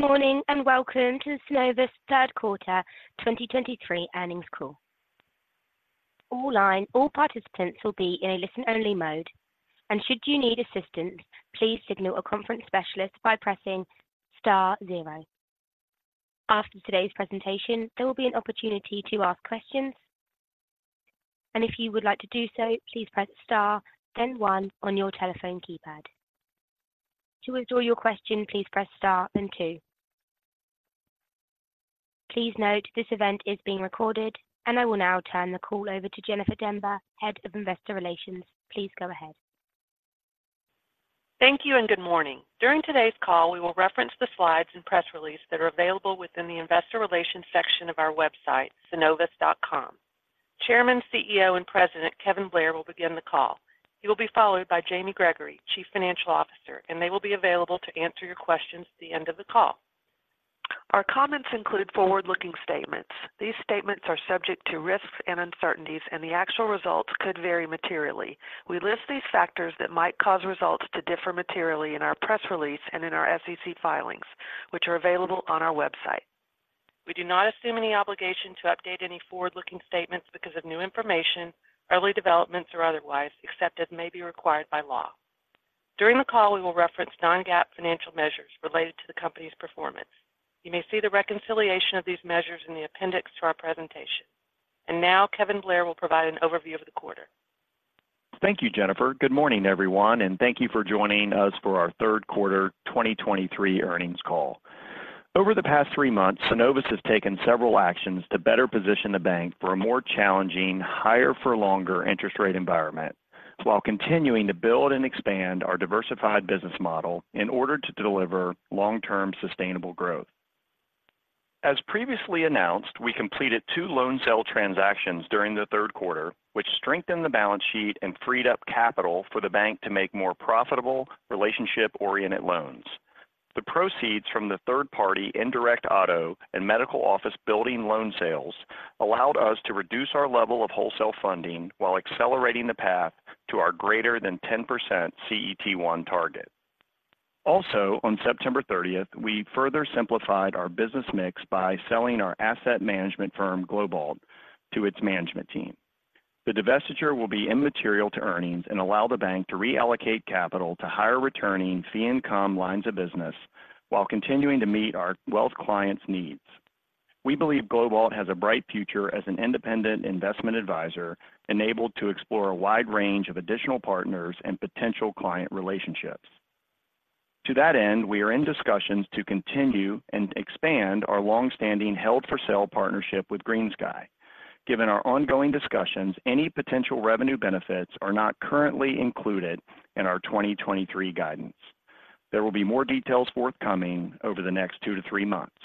Good morning, and welcome to the Synovus Q3 2023 Earnings Call. All participants will be in a listen-only mode, and should you need assistance, please signal a conference specialist by pressing star zero. After today's presentation, there will be an opportunity to ask questions, and if you would like to do so, please press star, then one on your telephone keypad. To withdraw your question, please press star, then two. Please note, this event is being recorded, and I will now turn the call over to Jennifer Demba, Head of Investor Relations. Please go ahead. Thank you and good morning. During today's call, we will reference the slides and press release that are available within the Investor Relations section of our website, synovus.com. Chairman, CEO, and President Kevin Blair will begin the call. He will be followed by Jamie Gregory, Chief Financial Officer, and they will be available to answer your questions at the end of the call. Our comments include forward-looking statements. These statements are subject to risks and uncertainties, and the actual results could vary materially. We list these factors that might cause results to differ materially in our press release and in our SEC filings, which are available on our website. We do not assume any obligation to update any forward-looking statements because of new information, early developments, or otherwise, except as may be required by law. During the call, we will reference non-GAAP financial measures related to the company's performance. You may see the reconciliation of these measures in the appendix to our presentation. And now Kevin Blair will provide an overview of the quarter. Thank you, Jennifer. Good morning, everyone, and thank you for joining us for our Q3 2023 Earnings Call. Over the past three months, Synovus has taken several actions to better position the bank for a more challenging, higher for longer interest rate environment, while continuing to build and expand our diversified business model in order to deliver long-term sustainable growth. As previously announced, we completed two loan sale transactions during Q3, which strengthened the balance sheet and freed up capital for the bank to make more profitable, relationship-oriented loans. The proceeds from the third-party indirect auto and medical office building loan sales allowed us to reduce our level of wholesale funding while accelerating the path to our greater than 10% CET1 target. Also, on September 30th, we further simplified our business mix by selling our asset management firm, Globalt, to its management team. The divestiture will be immaterial to earnings and allow the bank to reallocate capital to higher returning fee income lines of business while continuing to meet our wealth clients' needs. We believe Globalt has a bright future as an independent investment advisor, enabled to explore a wide range of additional partners and potential client relationships. To that end, we are in discussions to continue and expand our long-standing held-for-sale partnership with GreenSky. Given our ongoing discussions, any potential revenue benefits are not currently included in our 2023 guidance. There will be more details forthcoming over the next two to three months.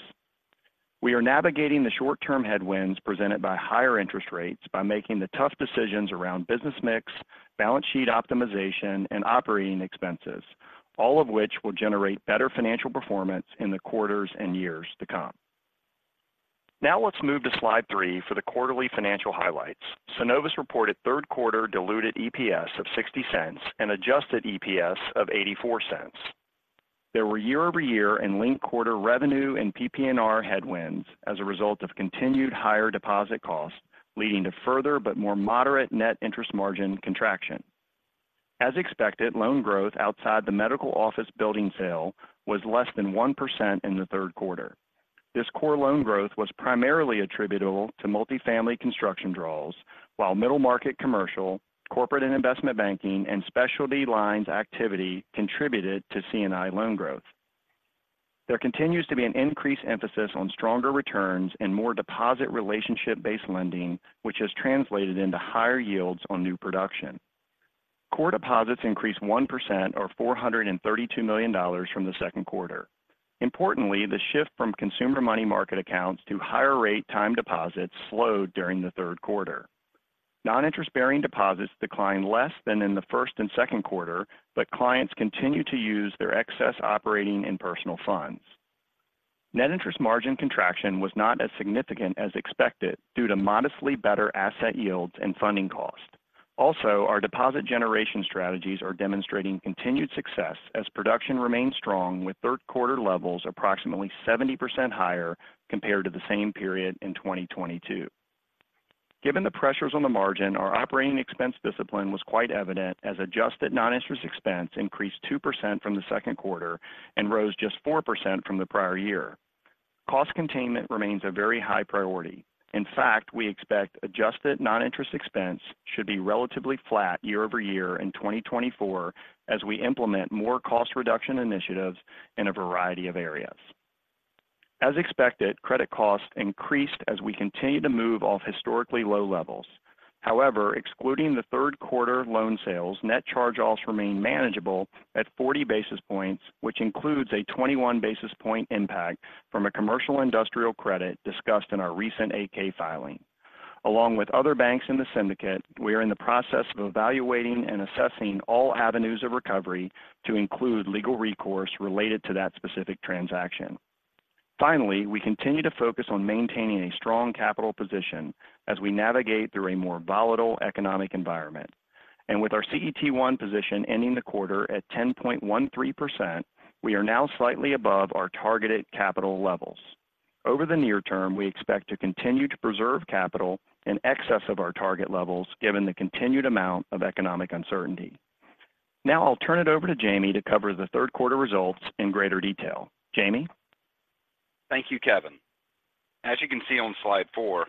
We are navigating the short-term headwinds presented by higher interest rates by making the tough decisions around business mix, balance sheet optimization, and operating expenses, all of which will generate better financial performance in the quarters and years to come. Now let's move to slide three for the quarterly financial highlights. Synovus reported Q3 diluted EPS of $0.60 and adjusted EPS of $0.84. There were year-over-year and linked-quarter revenue and PPNR headwinds as a result of continued higher deposit costs, leading to further but more moderate net interest margin contraction. As expected, loan growth outside the medical office building sale was less than 1% in Q3. This core loan growth was primarily attributable to multi-family construction draws, while middle market commercial, corporate and investment banking, and specialty lines activity contributed to C&I loan growth. There continues to be an increased emphasis on stronger returns and more deposit relationship-based lending, which has translated into higher yields on new production. Core deposits increased 1% or $432 million from Q2. Importantly, the shift from consumer money market accounts to higher rate time deposits slowed during Q3. Non-interest-bearing deposits declined less than in Q1 and Q2 but clients continued to use their excess operating and personal funds. Net interest margin contraction was not as significant as expected due to modestly better asset yields and funding costs. Also, our deposit generation strategies are demonstrating continued success as production remains strong, withQ3 levels approximately 70% higher compared to the same period in 2022. Given the pressures on the margin, our operating expense discipline was quite evident as adjusted non-interest expense increased 2% from Q2 and rose just 4% from the prior year. Cost containment remains a very high priority. In fact, we expect adjusted non-interest expense should be relatively flat year-over-year in 2024 as we implement more cost reduction initiatives in a variety of areas. As expected, credit costs increased as we continue to move off historically low levels. However, excluding Q3 loan sales, net charge-offs remain manageable at 40 basis points, which includes a 21 basis point impact from a commercial industrial credit discussed in our recent 8-K filing. Along with other banks in the syndicate, we are in the process of evaluating and assessing all avenues of recovery to include legal recourse related to that specific transaction. Finally, we continue to focus on maintaining a strong capital position as we navigate through a more volatile economic environment and with our CET1 position ending the quarter at 10.13%, we are now slightly above our targeted capital levels. Over the near term, we expect to continue to preserve capital in excess of our target levels, given the continued amount of economic uncertainty. Now I'll turn it over to Jamie to cover Q3 results in greater detail. Jamie? Thank you, Kevin. As you can see on slide four,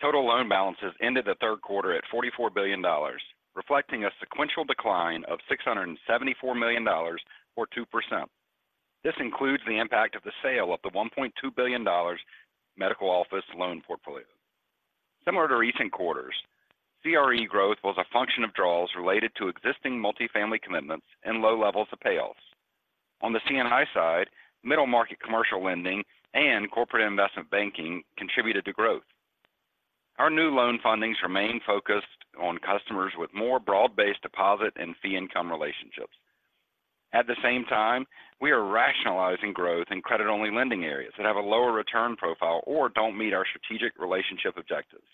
total loan balances ended Q3 at $44 billion, reflecting a sequential decline of $674 million or 2%. This includes the impact of the sale of the $1.2 billion medical office loan portfolio. Similar to recent quarters, CRE growth was a function of draws related to existing multifamily commitments and low levels of payoffs. On the C&I side, middle market commercial lending and corporate investment banking contributed to growth. Our new loan fundings remain focused on customers with more broad-based deposit and fee income relationships. At the same time, we are rationalizing growth in credit-only lending areas that have a lower return profile or don't meet our strategic relationship objectives.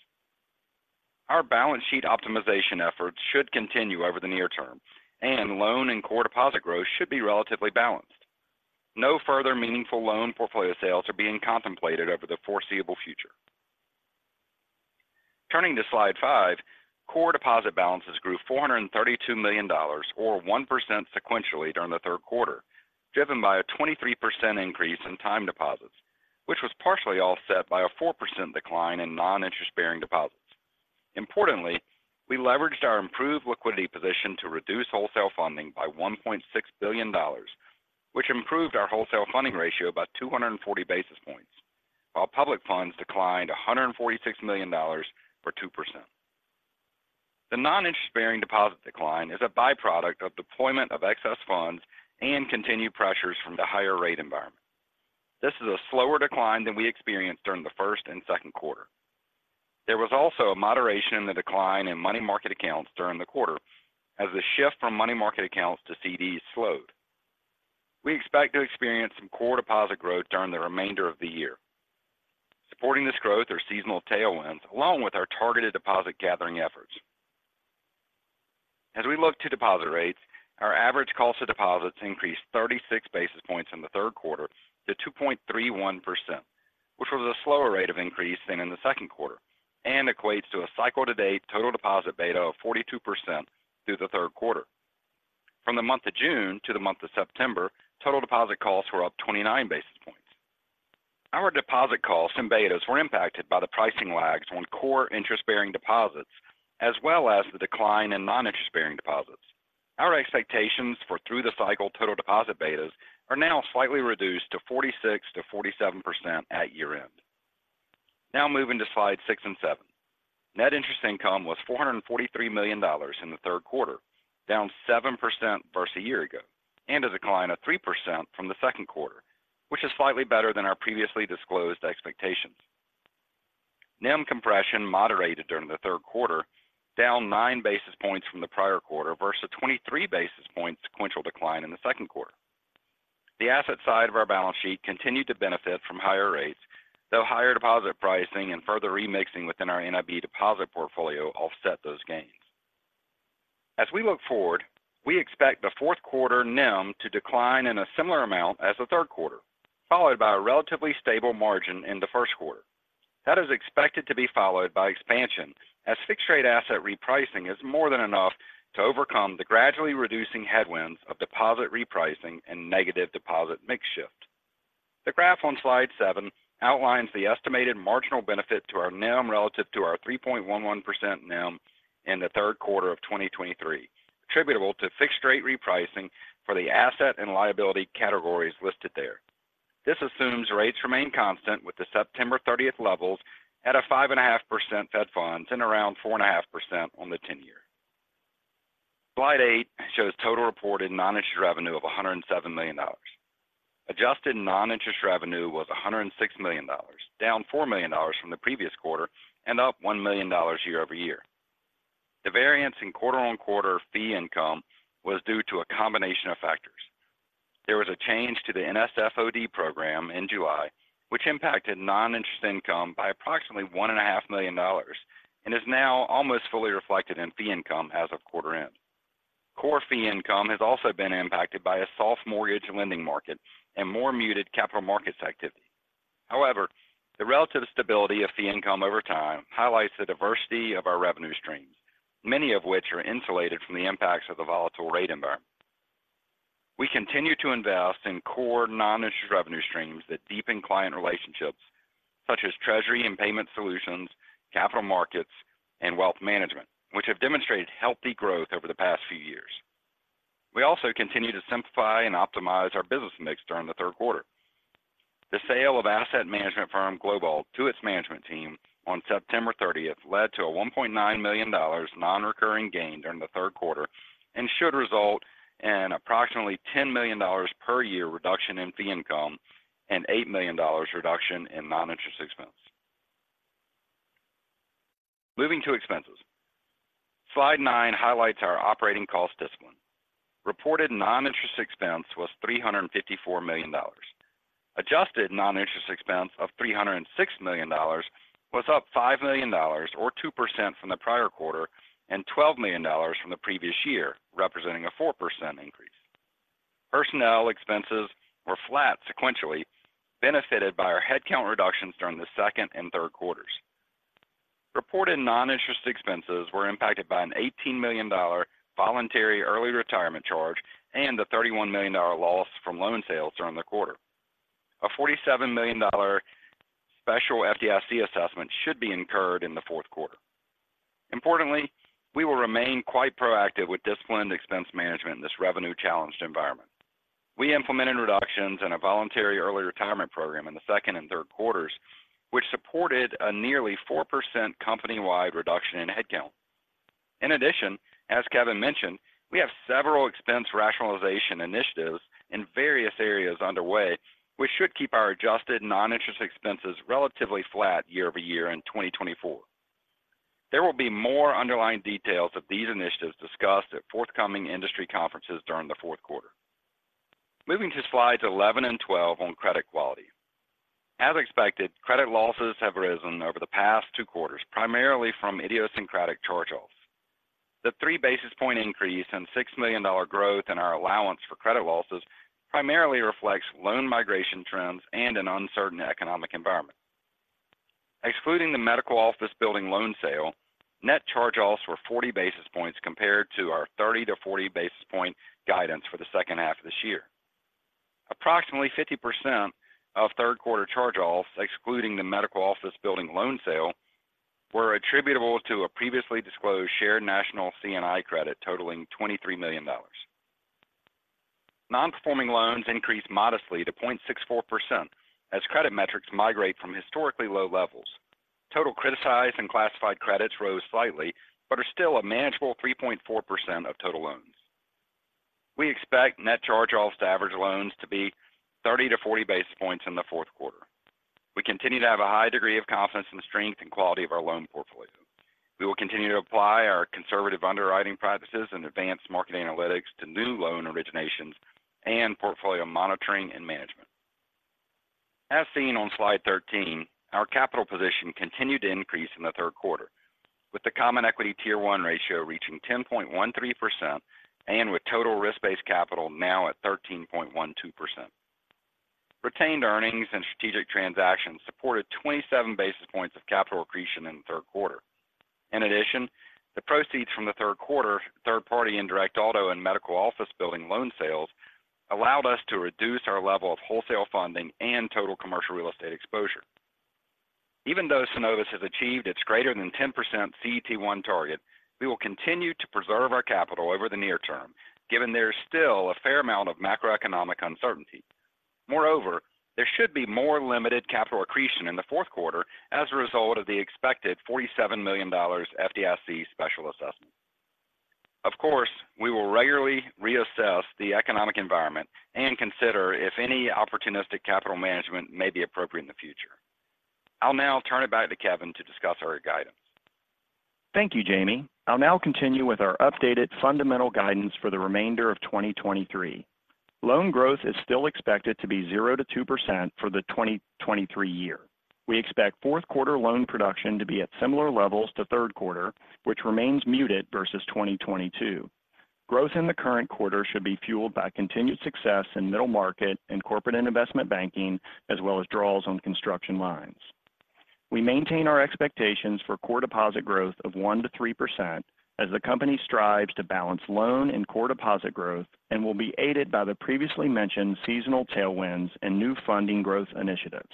Our balance sheet optimization efforts should continue over the near term, and loan and core deposit growth should be relatively balanced. No further meaningful loan portfolio sales are being contemplated over the foreseeable future. Turning to slide five, core deposit balances grew $432 million, or 1% sequentially, during Q3, driven by a 23% increase in time deposits, which was partially offset by a 4% decline in non-interest-bearing deposits. Importantly, we leveraged our improved liquidity position to reduce wholesale funding by $1.6 billion, which improved our wholesale funding ratio by 240 basis points, while public funds declined $146 million for 2%. The non-interest-bearing deposit decline is a byproduct of deployment of excess funds and continued pressures from the higher rate environment. This is a slower decline than we experienced during Q1 and Q2. There was also a moderation in the decline in money market accounts during the quarter as the shift from money market accounts to CDs slowed. We expect to experience some core deposit growth during the remainder of the year. Supporting this growth are seasonal tailwinds, along with our targeted deposit gathering efforts. As we look to deposit rates, our average cost of deposits increased 36 basis points in Q3 to 2.31%, which was a slower rate of increase than in Q2 and equates to a cycle-to-date total deposit beta of 42% through Q3. From the month of June to the month of September, total deposit costs were up 29 basis points. Our deposit costs and betas were impacted by the pricing lags on core interest-bearing deposits, as well as the decline in non-interest-bearing deposits. Our expectations for through the cycle total deposit betas are now slightly reduced to 46%-47% at year-end. Now moving to slides six and seven. Net interest income was $443 million in Q3, down 7% versus a year ago, and a decline of 3% from Q2, which is slightly better than our previously disclosed expectations. NIM compression moderated during Q3, down 9 basis points from the prior quarter versus a 23 basis point sequential decline in Q2. The asset side of our balance sheet continued to benefit from higher rates, though higher deposit pricing and further remixing within our NIM deposit portfolio offset those gains. As we look forward, we expect Q4 NIM to decline in a similar amount as Q3, followed by a relatively stable margin inQ1. That is expected to be followed by expansion, as fixed rate asset repricing is more than enough to overcome the gradually reducing headwinds of deposit repricing and negative deposit mix shift. The graph on slide seven outlines the estimated marginal benefit to our NIM relative to our 3.11% NIM in Q3 of 2023, attributable to fixed rate repricing for the asset and liability categories listed there. This assumes rates remain constant, with the September 30th levels at a 5.5% Fed funds and around 4.5% on the ten-year. Slide eight shows total reported non-interest revenue of $107 million. Adjusted non-interest revenue was $106 million, down $4 million from the previous quarter and up $1 million year-over-year. The variance in quarter-on-quarter fee income was due to a combination of factors. There was a change to the NSF/OD program in July, which impacted non-interest income by approximately $1.5 million and is now almost fully reflected in fee income as of quarter end. Core fee income has also been impacted by a soft mortgage lending market and more muted capital markets activity. However, the relative stability of fee income over time highlights the diversity of our revenue streams, many of which are insulated from the impacts of the volatile rate environment. We continue to invest in core non-interest revenue streams that deepen client relationships, such as treasury and payment solutions, capital markets, and wealth management, which have demonstrated healthy growth over the past few years. We also continue to simplify and optimize our business mix during Q3. The sale of asset management firm, Globalt, to its management team on September thirtieth led to a $1.9 million non-recurring gain during Q3 and should result in approximately $10 million per year reduction in fee income and $8 million reduction in non-interest expense. Moving to expenses. Slide nine highlights our operating cost discipline. Reported non-interest expense was $354 million. Adjusted non-interest expense of $306 million was up $5 million or 2% from the prior quarter, and $12 million from the previous year, representing a 4% increase. Personnel expenses were flat sequentially, benefited by our headcount reductions during Q2 and Q3. Reported non-interest expenses were impacted by an $18 million voluntary early retirement charge and a $31 million loss from loan sales during the quarter. A $47 million special FDIC assessment should be incurred inQ4. Importantly, we will remain quite proactive with disciplined expense management in this revenue-challenged environment. We implemented reductions in a voluntary early retirement program in Q2 and Q3, which supported a nearly 4% company-wide reduction in headcount. In addition, as Kevin mentioned, we have several expense rationalization initiatives in various areas underway, which should keep our adjusted non-interest expenses relatively flat year-over-year in 2024. There will be more underlying details of these initiatives discussed at forthcoming industry conferences during Q4. Moving to slides 11 and 12 on credit quality. As expected, credit losses have risen over the past 2 quarters, primarily from idiosyncratic charge-offs. The 3 basis point increase and $6 million growth in our allowance for credit losses primarily reflects loan migration trends and an uncertain economic environment. Excluding the medical office building loan sale, net charge-offs were 40 basis points compared to our 30-40 basis point guidance for the second half of this year. Approximately 50% of Q3 charge-offs, excluding the medical office building loan sale, were attributable to a previously disclosed shared national C&I credit totaling $23 million. Non-performing loans increased modestly to 0.64% as credit metrics migrate from historically low levels. Total criticized and classified credits rose slightly, but are still a manageable 3.4% of total loans. We expect net charge-offs to average loans to be 30-40 basis points in Q4. We continue to have a high degree of confidence in the strength and quality of our loan portfolio. We will continue to apply our conservative underwriting practices and advanced marketing analytics to new loan originations and portfolio monitoring and management. As seen on slide 13, our capital position continued to increase in Q3, with the Common Equity Tier 1 ratio reaching 10.13% and with total risk-based capital now at 13.12%. Retained earnings and strategic transactions supported 27 basis points of capital accretion in Q3. In addition, the proceeds from Q3, third-party indirect auto and medical office building loan sales allowed us to reduce our level of wholesale funding and total commercial real estate exposure. Even though Synovus has achieved its greater than 10% CET1 target, we will continue to preserve our capital over the near term, given there is still a fair amount of macroeconomic uncertainty. Moreover, there should be more limited capital accretion in Q4 as a result of the expected $47 million FDIC special assessment. Of course, we will regularly reassess the economic environment and consider if any opportunistic capital management may be appropriate in the future. I'll now turn it back to Kevin to discuss our guidance. Thank you, Jamie. I'll now continue with our updated fundamental guidance for the remainder of 2023. Loan growth is still expected to be 0%-2% for the 2023 year. We expect Q4 loan production to be at similar levels to Q3, which remains muted versus 2022. Growth in the current quarter should be fueled by continued success in middle market and corporate and investment banking, as well as draws on construction lines. We maintain our expectations for core deposit growth of 1%-3% as the company strives to balance loan and core deposit growth and will be aided by the previously mentioned seasonal tailwinds and new funding growth initiatives.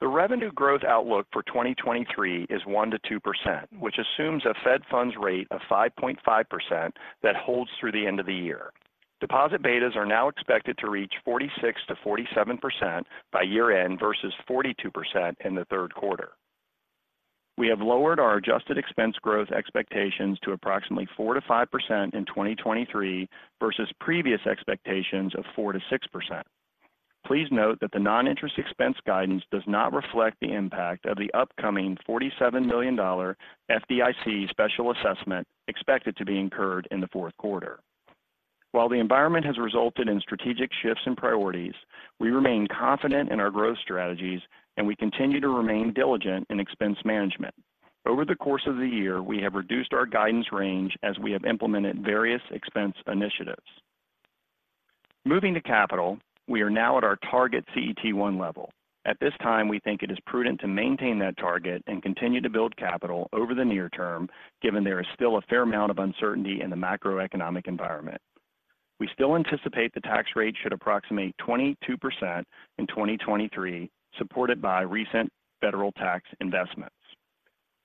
The revenue growth outlook for 2023 is 1%-2%, which assumes a Fed funds rate of 5.5% that holds through the end of the year. Deposit betas are now expected to reach 46%-47% by year-end versus 42% in Q3. We have lowered our adjusted expense growth expectations to approximately 4%-5% in 2023 versus previous expectations of 4%-6%. Please note that the non-interest expense guidance does not reflect the impact of the upcoming $47 million FDIC special assessment expected to be incurred in Q4. While the environment has resulted in strategic shifts in priorities, we remain confident in our growth strategies and we continue to remain diligent in expense management. Over the course of the year, we have reduced our guidance range as we have implemented various expense initiatives. Moving to capital, we are now at our target CET1 level. At this time, we think it is prudent to maintain that target and continue to build capital over the near term, given there is still a fair amount of uncertainty in the macroeconomic environment. We still anticipate the tax rate should approximate 22% in 2023, supported by recent federal tax investments.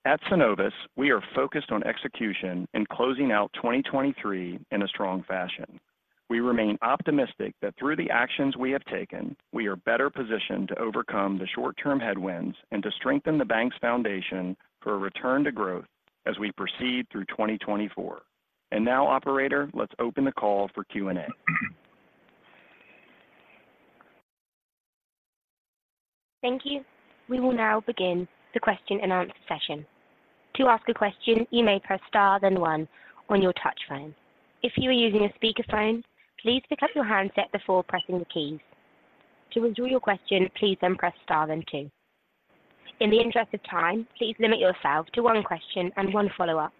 At Synovus, we are focused on execution and closing out 2023 in a strong fashion. We remain optimistic that through the actions we have taken, we are better positioned to overcome the short-term headwinds and to strengthen the bank's foundation for a return to growth as we proceed through 2024. Now, operator, let's open the call for Q&A. Thank you. We will now begin the question-and-answer session. To ask a question, you may press star, then one on your touch phone. If you are using a speakerphone, please pick up your handset before pressing the keys. To withdraw your question, please then press star, then two. In the interest of time, please limit yourself to one question and one follow-up.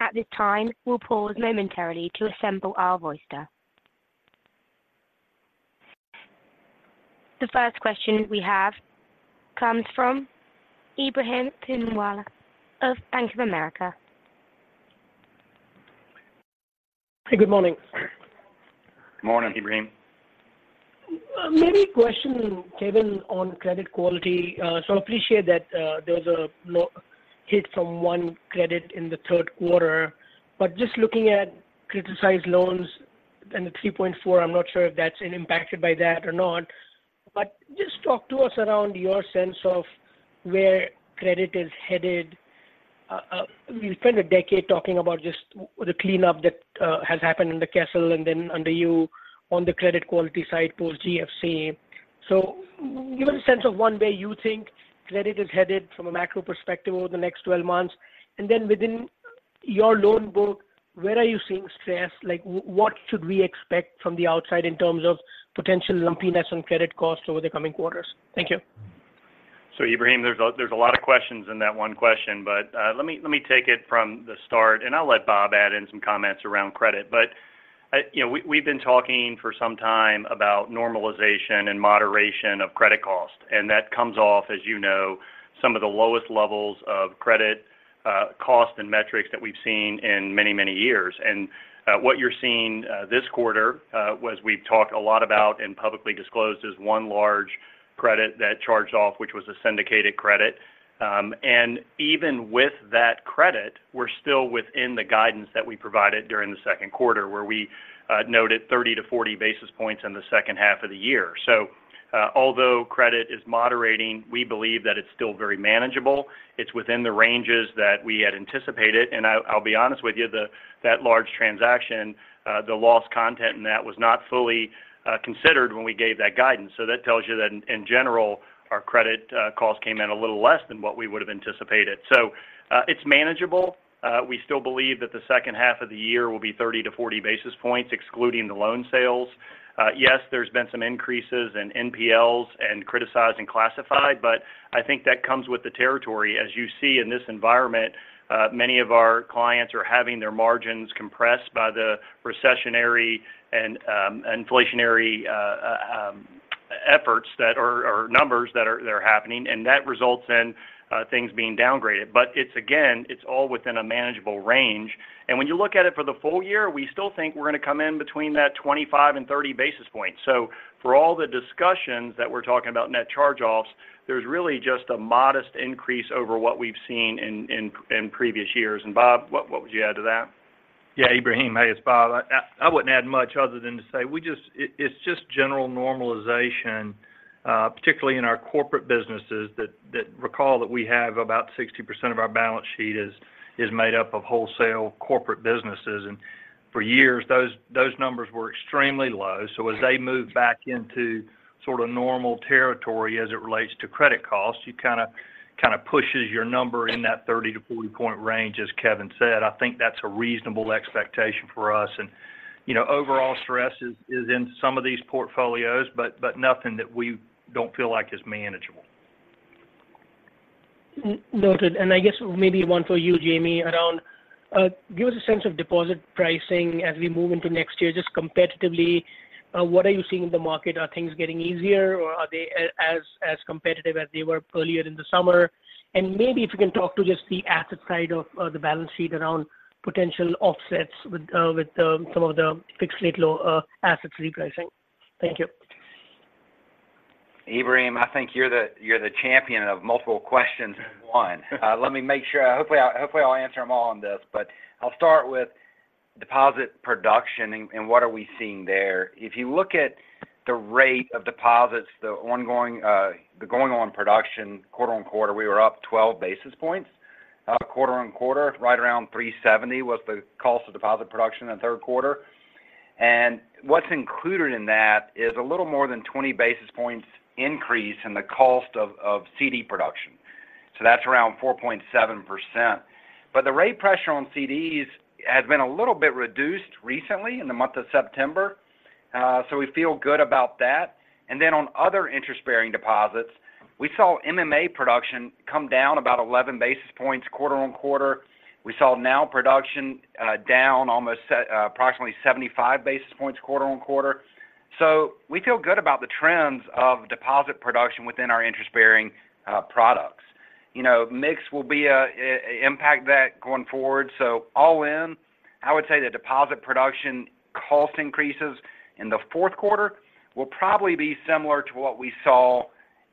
At this time, we'll pause momentarily to assemble our voicer. The first question we have comes from Ebrahim Poonawala of Bank of America. Hey, good morning. Good morning, Ebrahim. Maybe a question, Kevin, on credit quality. So I appreciate that there was a low hit from one credit in Q3, but just looking at criticized loans and the 3.4, I'm not sure if that's impacted by that or not, but just talk to us around your sense of where credit is headed. We've spent a decade talking about just the cleanup that has happened in the Kessel and then under you on the credit quality side, post GFC. So give us a sense of one way you think credit is headed from a macro perspective over the next 12 months, and then within your loan book, where are you seeing stress? Like, what should we expect from the outside in terms of potential lumpiness on credit costs over the coming quarters? Thank you. So, Ebrahim, there's a, there's a lot of questions in that one question, but, let me, let me take it from the start, and I'll let Bob add in some comments around credit. But, I, you know, we, we've been talking for some time about normalization and moderation of credit cost, and that comes off, as you know, some of the lowest levels of credit, cost and metrics that we've seen in many, many years. And, what you're seeing, this quarter, was we've talked a lot about and publicly disclosed as one large credit that charged off, which was a syndicated credit. And even with that credit, we're still within the guidance that we provided during the second quarter, where we, noted 30-40 basis points in the second half of the year. So, although credit is moderating, we believe that it's still very manageable. It's within the ranges that we had anticipated. And I, I'll be honest with you, the, that large transaction, the loss content in that was not fully considered when we gave that guidance. So that tells you that in general, our credit costs came in a little less than what we would have anticipated. So, it's manageable. We still believe that the second half of the year will be 30-40 basis points, excluding the loan sales. Yes, there's been some increases in NPLs and criticized and classified, but I think that comes with the territory. As you see in this environment, many of our clients are having their margins compressed by the recessionary and inflationary efforts that are numbers that are happening, and that results in things being downgraded. But it's, again, it's all within a manageable range. And when you look at it for the full year, we still think we're going to come in between that 25 and 30 basis points. So for all the discussions that we're talking about net charge-offs, there's really just a modest increase over what we've seen in previous years. And Bob, what would you add to that? Yeah, Ebrahim, hey, it's Bob. I wouldn't add much other than to say, we just—it's just general normalization, particularly in our corporate businesses, recall that we have about 60% of our balance sheet is made up of wholesale corporate businesses. And for years, those numbers were extremely low. So as they move back into sort of normal territory as it relates to credit costs, it kind of pushes your number in that 30-40-point range, as Kevin said. I think that's a reasonable expectation for us. And you know, overall stress is in some of these portfolios, but nothing that we don't feel like is manageable. Noted. I guess maybe one for you, Jamie, around give us a sense of deposit pricing as we move into next year. Just competitively, what are you seeing in the market? Are things getting easier, or are they as competitive as they were earlier in the summer? And maybe if you can talk to just the asset side of the balance sheet around potential offsets with some of the fixed-rate loan assets repricing. Thank you. Ebrahim, I think you're the, you're the champion of multiple questions in one. Let me make sure, hopefully, I, hopefully, I'll answer them all on this, but I'll start with deposit production and, and what are we seeing there. If you look at the rate of deposits, the ongoing, the going on production quarter-over-quarter, we were up 12 basis points, quarter-over-quarter. Right around 370 was the cost of deposit production in Q3. And what's included in that is a little more than 20 basis points increase in the cost of, of CD production. So that's around 4.7%. But the rate pressure on CDs has been a little bit reduced recently in the month of September, so we feel good about that. And then on other interest-bearing deposits, we saw MMA production come down about 11 basis points quarter-on-quarter. We saw NOW production down almost approximately 75 basis points quarter-on-quarter. So we feel good about the trends of deposit production within our interest-bearing products. You know, mix will be a impact that going forward. So all in, I would say the deposit production cost increases in Q4 will probably be similar to what we saw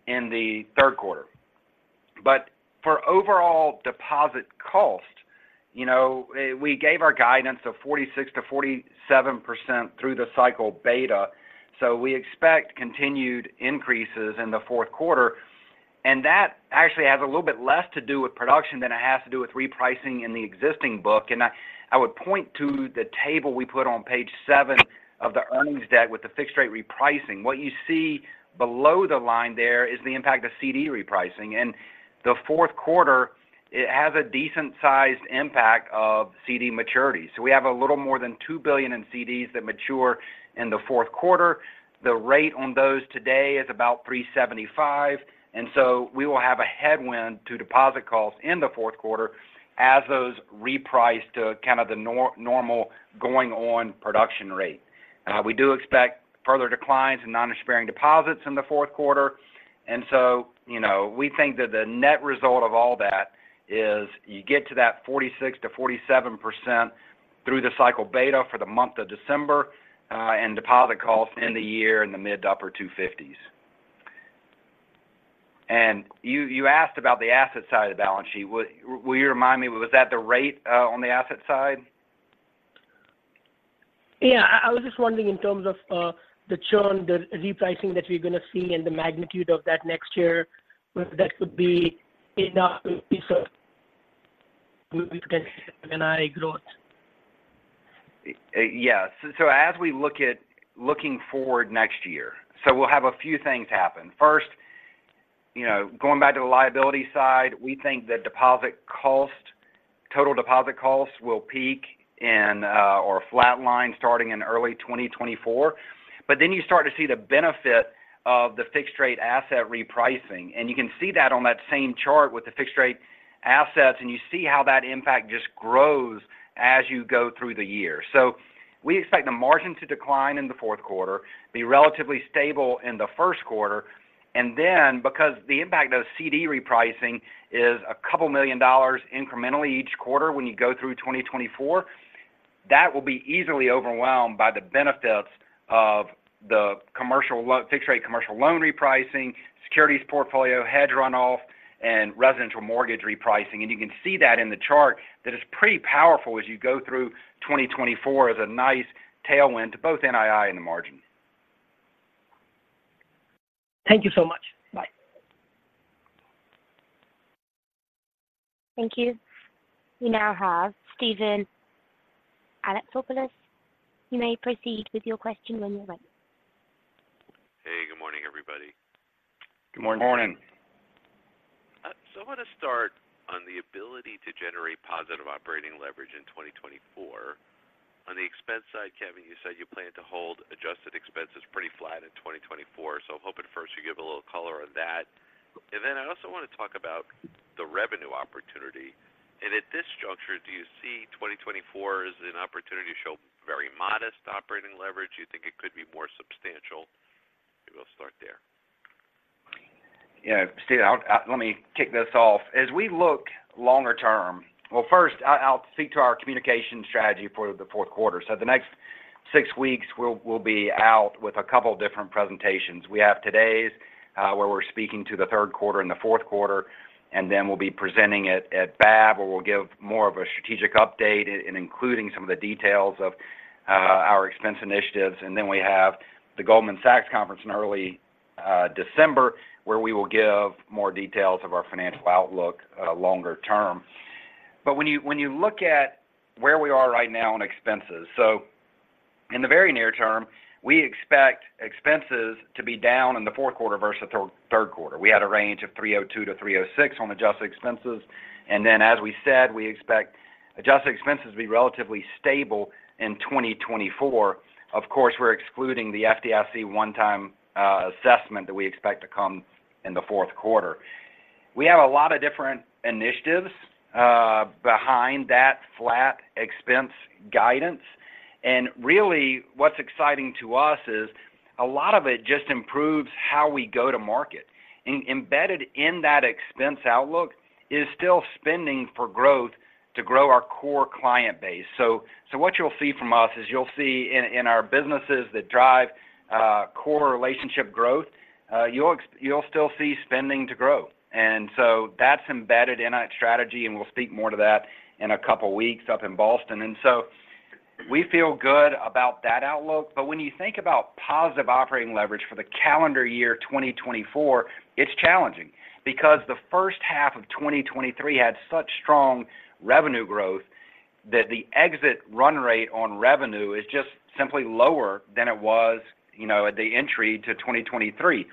in Q3. But for overall deposit cost, you know, we gave our guidance of 46%-47% through the cycle beta, so we expect continued increases in Q4. And that actually has a little bit less to do with production than it has to do with repricing in the existing book. And I, I would point to the table we put on page seven of the earnings deck with the fixed rate repricing. What you see below the line there is the impact of CD repricing, and Q4, it has a decent sized impact of CD maturity. So we have a little more than $2 billion in CDs that mature in Q4. The rate on those today is about 3.75%, and so we will have a headwind to deposit costs in Q4 as those reprice to kind of the normal ongoing production rate. We do expect further declines in non-expiring deposits in Q4. So, you know, we think that the net result of all that is you get to that 46%-47% through the cycle beta for the month of December, and deposit costs in the year in the mid- to upper-250s. You asked about the asset side of the balance sheet. Would you remind me, was that the rate on the asset side? Yeah, I was just wondering in terms of the churn, the repricing that we're going to see and the magnitude of that next year, whether that could be enough to piece of NII growth? Yes. So as we look at looking forward next year, so we'll have a few things happen. First, you know, going back to the liability side, we think that deposit cost, total deposit costs will peak in, or flatline starting in early 2024. But then you start to see the benefit of the fixed rate asset repricing, and you can see that on that same chart with the fixed rate assets, and you see how that impact just grows as you go through the year. We expect the margin to decline in Q4, be relatively stable in Q1, and then because the impact of CD repricing is a couple of $1 million incrementally each quarter when you go through 2024, that will be easily overwhelmed by the benefits of the commercial fixed rate commercial loan repricing, securities portfolio, hedge run off, and residential mortgage repricing. You can see that in the chart that it's pretty powerful as you go through 2024 as a nice tailwind to both NII and the margin. Thank you so much. Bye. Thank you. We now have Stephen Alexopoulos. You may proceed with your question when you're ready. Hey, good morning, everybody. Good morning. Morning. So I want to start on the ability to generate positive operating leverage in 2024. On the expense side, Kevin, you said you plan to hold adjusted expenses pretty flat in 2024. So I'm hoping first you give a little color on that. And then I also want to talk about the revenue opportunity. And at this juncture, do you see 2024 as an opportunity to show very modest operating leverage? Do you think it could be more substantial? Maybe we'll start there. Yeah, Stephen, I'll let me kick this off. As we look longer term... Well, first, I'll, I'll speak to our communication strategy for Q4. So the next six weeks, we'll, we'll be out with a couple of different presentations. We have today's, where we're speaking to Q3 and Q4, and then we'll be presenting it at BAB, where we'll give more of a strategic update, including some of the details of our expense initiatives. And then we have the Goldman Sachs conference in early December, where we will give more details of our financial outlook, longer term. But when you, when you look at where we are right now on expenses, so in the very near term, we expect expenses to be down in Q4 versus Q3. We had a range of 302-306 on adjusted expenses, and then as we said, we expect adjusted expenses to be relatively stable in 2024. Of course, we're excluding the FDIC one-time assessment that we expect to come in Q4. We have a lot of different initiatives behind that flat expense guidance. Really, what's exciting to us is a lot of it just improves how we go to market. Embedded in that expense outlook is still spending for growth to grow our core client base. So, so what you'll see from us is you'll see in, in our businesses that drive core relationship growth, you'll, you'll still see spending to grow. So that's embedded in our strategy, and we'll speak more to that in a couple of weeks up in Boston. And so we feel good about that outlook. But when you think about positive operating leverage for the calendar year 2024, it's challenging because the first half of 2023 had such strong revenue growth that the exit run rate on revenue is just simply lower than it was, you know, at the entry to 2023.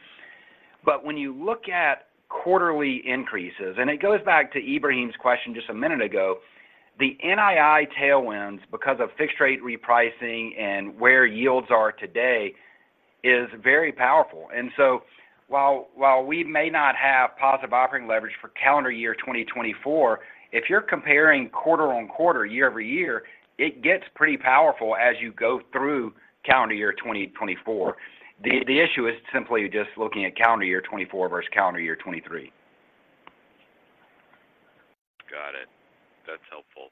But when you look at quarterly increases, and it goes back to Ebrahim's question just a minute ago, the NII tailwinds, because of fixed-rate repricing and where yields are today, is very powerful. And so while, while we may not have positive operating leverage for calendar year 2024, if you're comparing quarter-on-quarter, year-over-year, it gets pretty powerful as you go through calendar year 2024. The, the issue is simply just looking at calendar year 2024 versus calendar year 2023. Got it. That's helpful.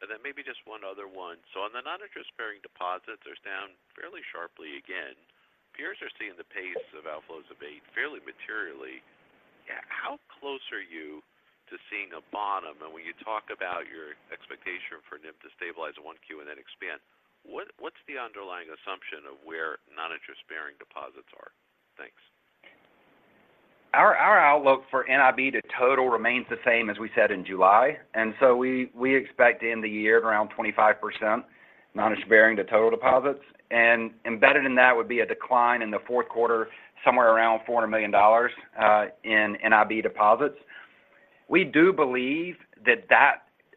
And then maybe just one other one. So on the non-interest bearing deposits, they're down fairly sharply again. Peers are seeing the pace of outflows abate fairly materially. How close are you to seeing a bottom, and when you talk about your expectation for NIM to stabilize in Q1 and then expand, what, what's the underlying assumption of where non-interest bearing deposits are? Thanks. Our outlook for NIB to total remains the same as we said in July. And so we expect to end the year at around 25%, non-interest bearing to total deposits. And embedded in that would be a decline in Q4, somewhere around $400 million in NIB deposits. We do believe that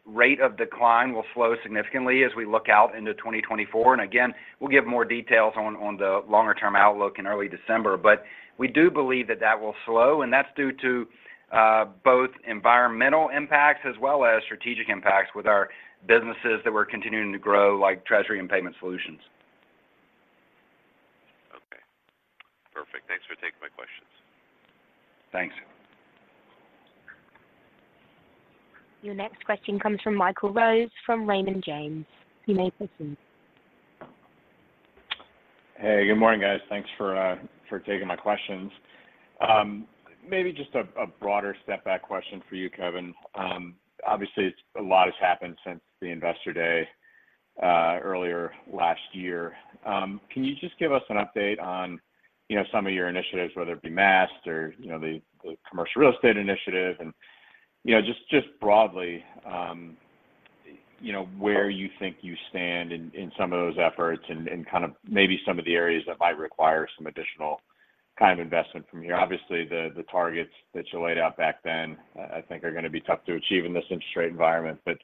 rate of decline will slow significantly as we look out into 2024. And again, we'll give more details on the longer-term outlook in early December. But we do believe that will slow, and that's due to both environmental impacts as well as strategic impacts with our businesses that we're continuing to grow, like treasury and payment solutions. Okay. Perfect. Thanks for taking my questions. Thanks. Your next question comes from Michael Rose, from Raymond James. You may proceed. Hey, good morning, guys. Thanks for taking my questions. Maybe just a broader step back question for you, Kevin. Obviously, it's a lot has happened since the Investor Day earlier last year. Can you just give us an update on, you know, some of your initiatives, whether it be Maast or, you know, the commercial real estate initiative? And, you know, just broadly, you know, where you think you stand in some of those efforts and kind of maybe some of the areas that might require some additional kind of investment from you. Obviously, the targets that you laid out back then, I think, are going to be tough to achieve in this interest rate environment. But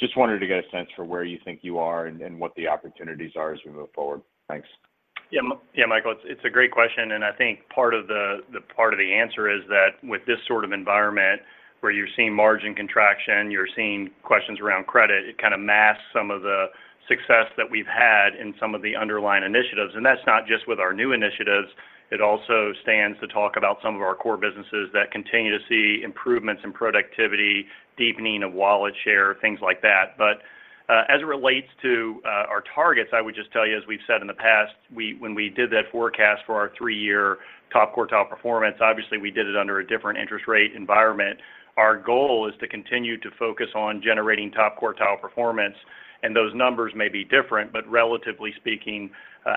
just wanted to get a sense for where you think you are and what the opportunities are as we move forward. Thanks. Yeah, yeah, Michael, it's a great question, and I think part of the answer is that with this sort of environment where you're seeing margin contraction, you're seeing questions around credit, it kind of masks some of the success that we've had in some of the underlying initiatives. And that's not just with our new initiatives, it also stands to talk about some of our core businesses that continue to see improvements in productivity, deepening of wallet share, things like that. But as it relates to our targets, I would just tell you, as we've said in the past, we, when we did that forecast for our three-year top quartile performance, obviously, we did it under a different interest rate environment. Our goal is to continue to focus on generating top quartile performance, and those numbers may be different, but relatively speaking,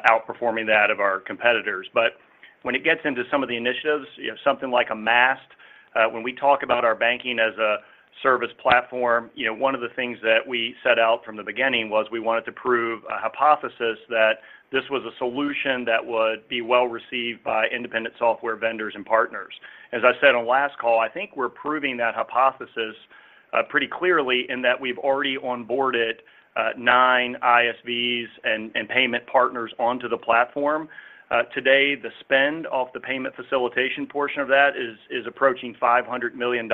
outperforming that of our competitors. But when it gets into some of the initiatives, you know, something like a Maast, when we talk about our banking as a service platform, you know, one of the things that we set out from the beginning was we wanted to prove a hypothesis that this was a solution that would be well received by independent software vendors and partners. As I said on last call, I think we're proving that hypothesis pretty clearly in that we've already onboarded nine ISVs and payment partners onto the platform. Today, the spend off the payment facilitation portion of that is approaching $500 million.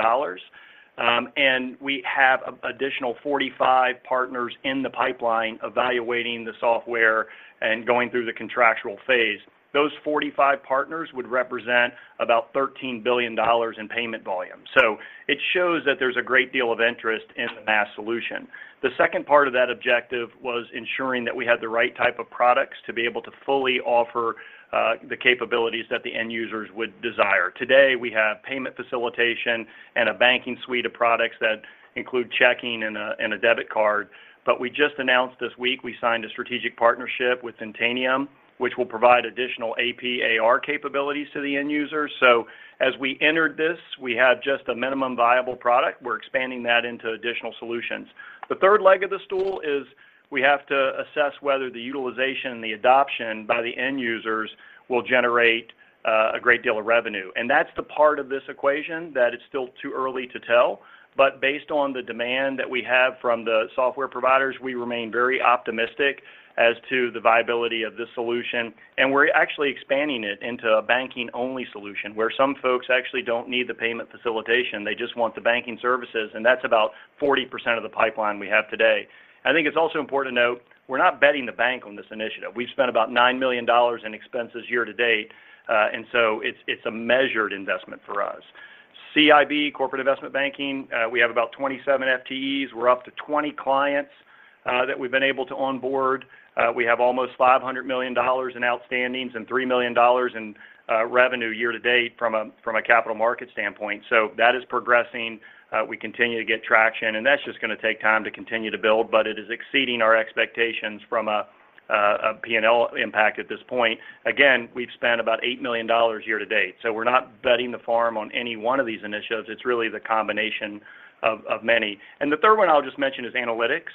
And we have additional 45 partners in the pipeline evaluating the software and going through the contractual phase. Those 45 partners would represent about $13 billion in payment volume. So it shows that there's a great deal of interest in the Maast solution. The second part of that objective was ensuring that we had the right type of products to be able to fully offer the capabilities that the end users would desire. Today, we have payment facilitation and a banking suite of products that include checking and a debit card. But we just announced this week, we signed a strategic partnership with Centanium, which will provide additional AP/AR capabilities to the end user. So as we entered this, we had just a minimum viable product. We're expanding that into additional solutions. The third leg of the stool is we have to assess whether the utilization and the adoption by the end users will generate a great deal of revenue. And that's the part of this equation that is still too early to tell. But based on the demand that we have from the software providers, we remain very optimistic as to the viability of this solution. And we're actually expanding it into a banking-only solution, where some folks actually don't need the payment facilitation, they just want the banking services, and that's about 40% of the pipeline we have today. I think it's also important to note, we're not betting the bank on this initiative. We've spent about $9 million in expenses year to date, and so it's a measured investment for us. CIB, Corporate Investment Banking, we have about 27 FTEs. We're up to 20 clients that we've been able to onboard. We have almost $500 million in outstandings and $3 million in revenue year to date from a capital market standpoint. So that is progressing. We continue to get traction, and that's just going to take time to continue to build, but it is exceeding our expectations from a P&L impact at this point. Again, we've spent about $8 million year-to-date, so we're not betting the farm on any one of these initiatives. It's really the combination of many. And the third one I'll just mention is analytics.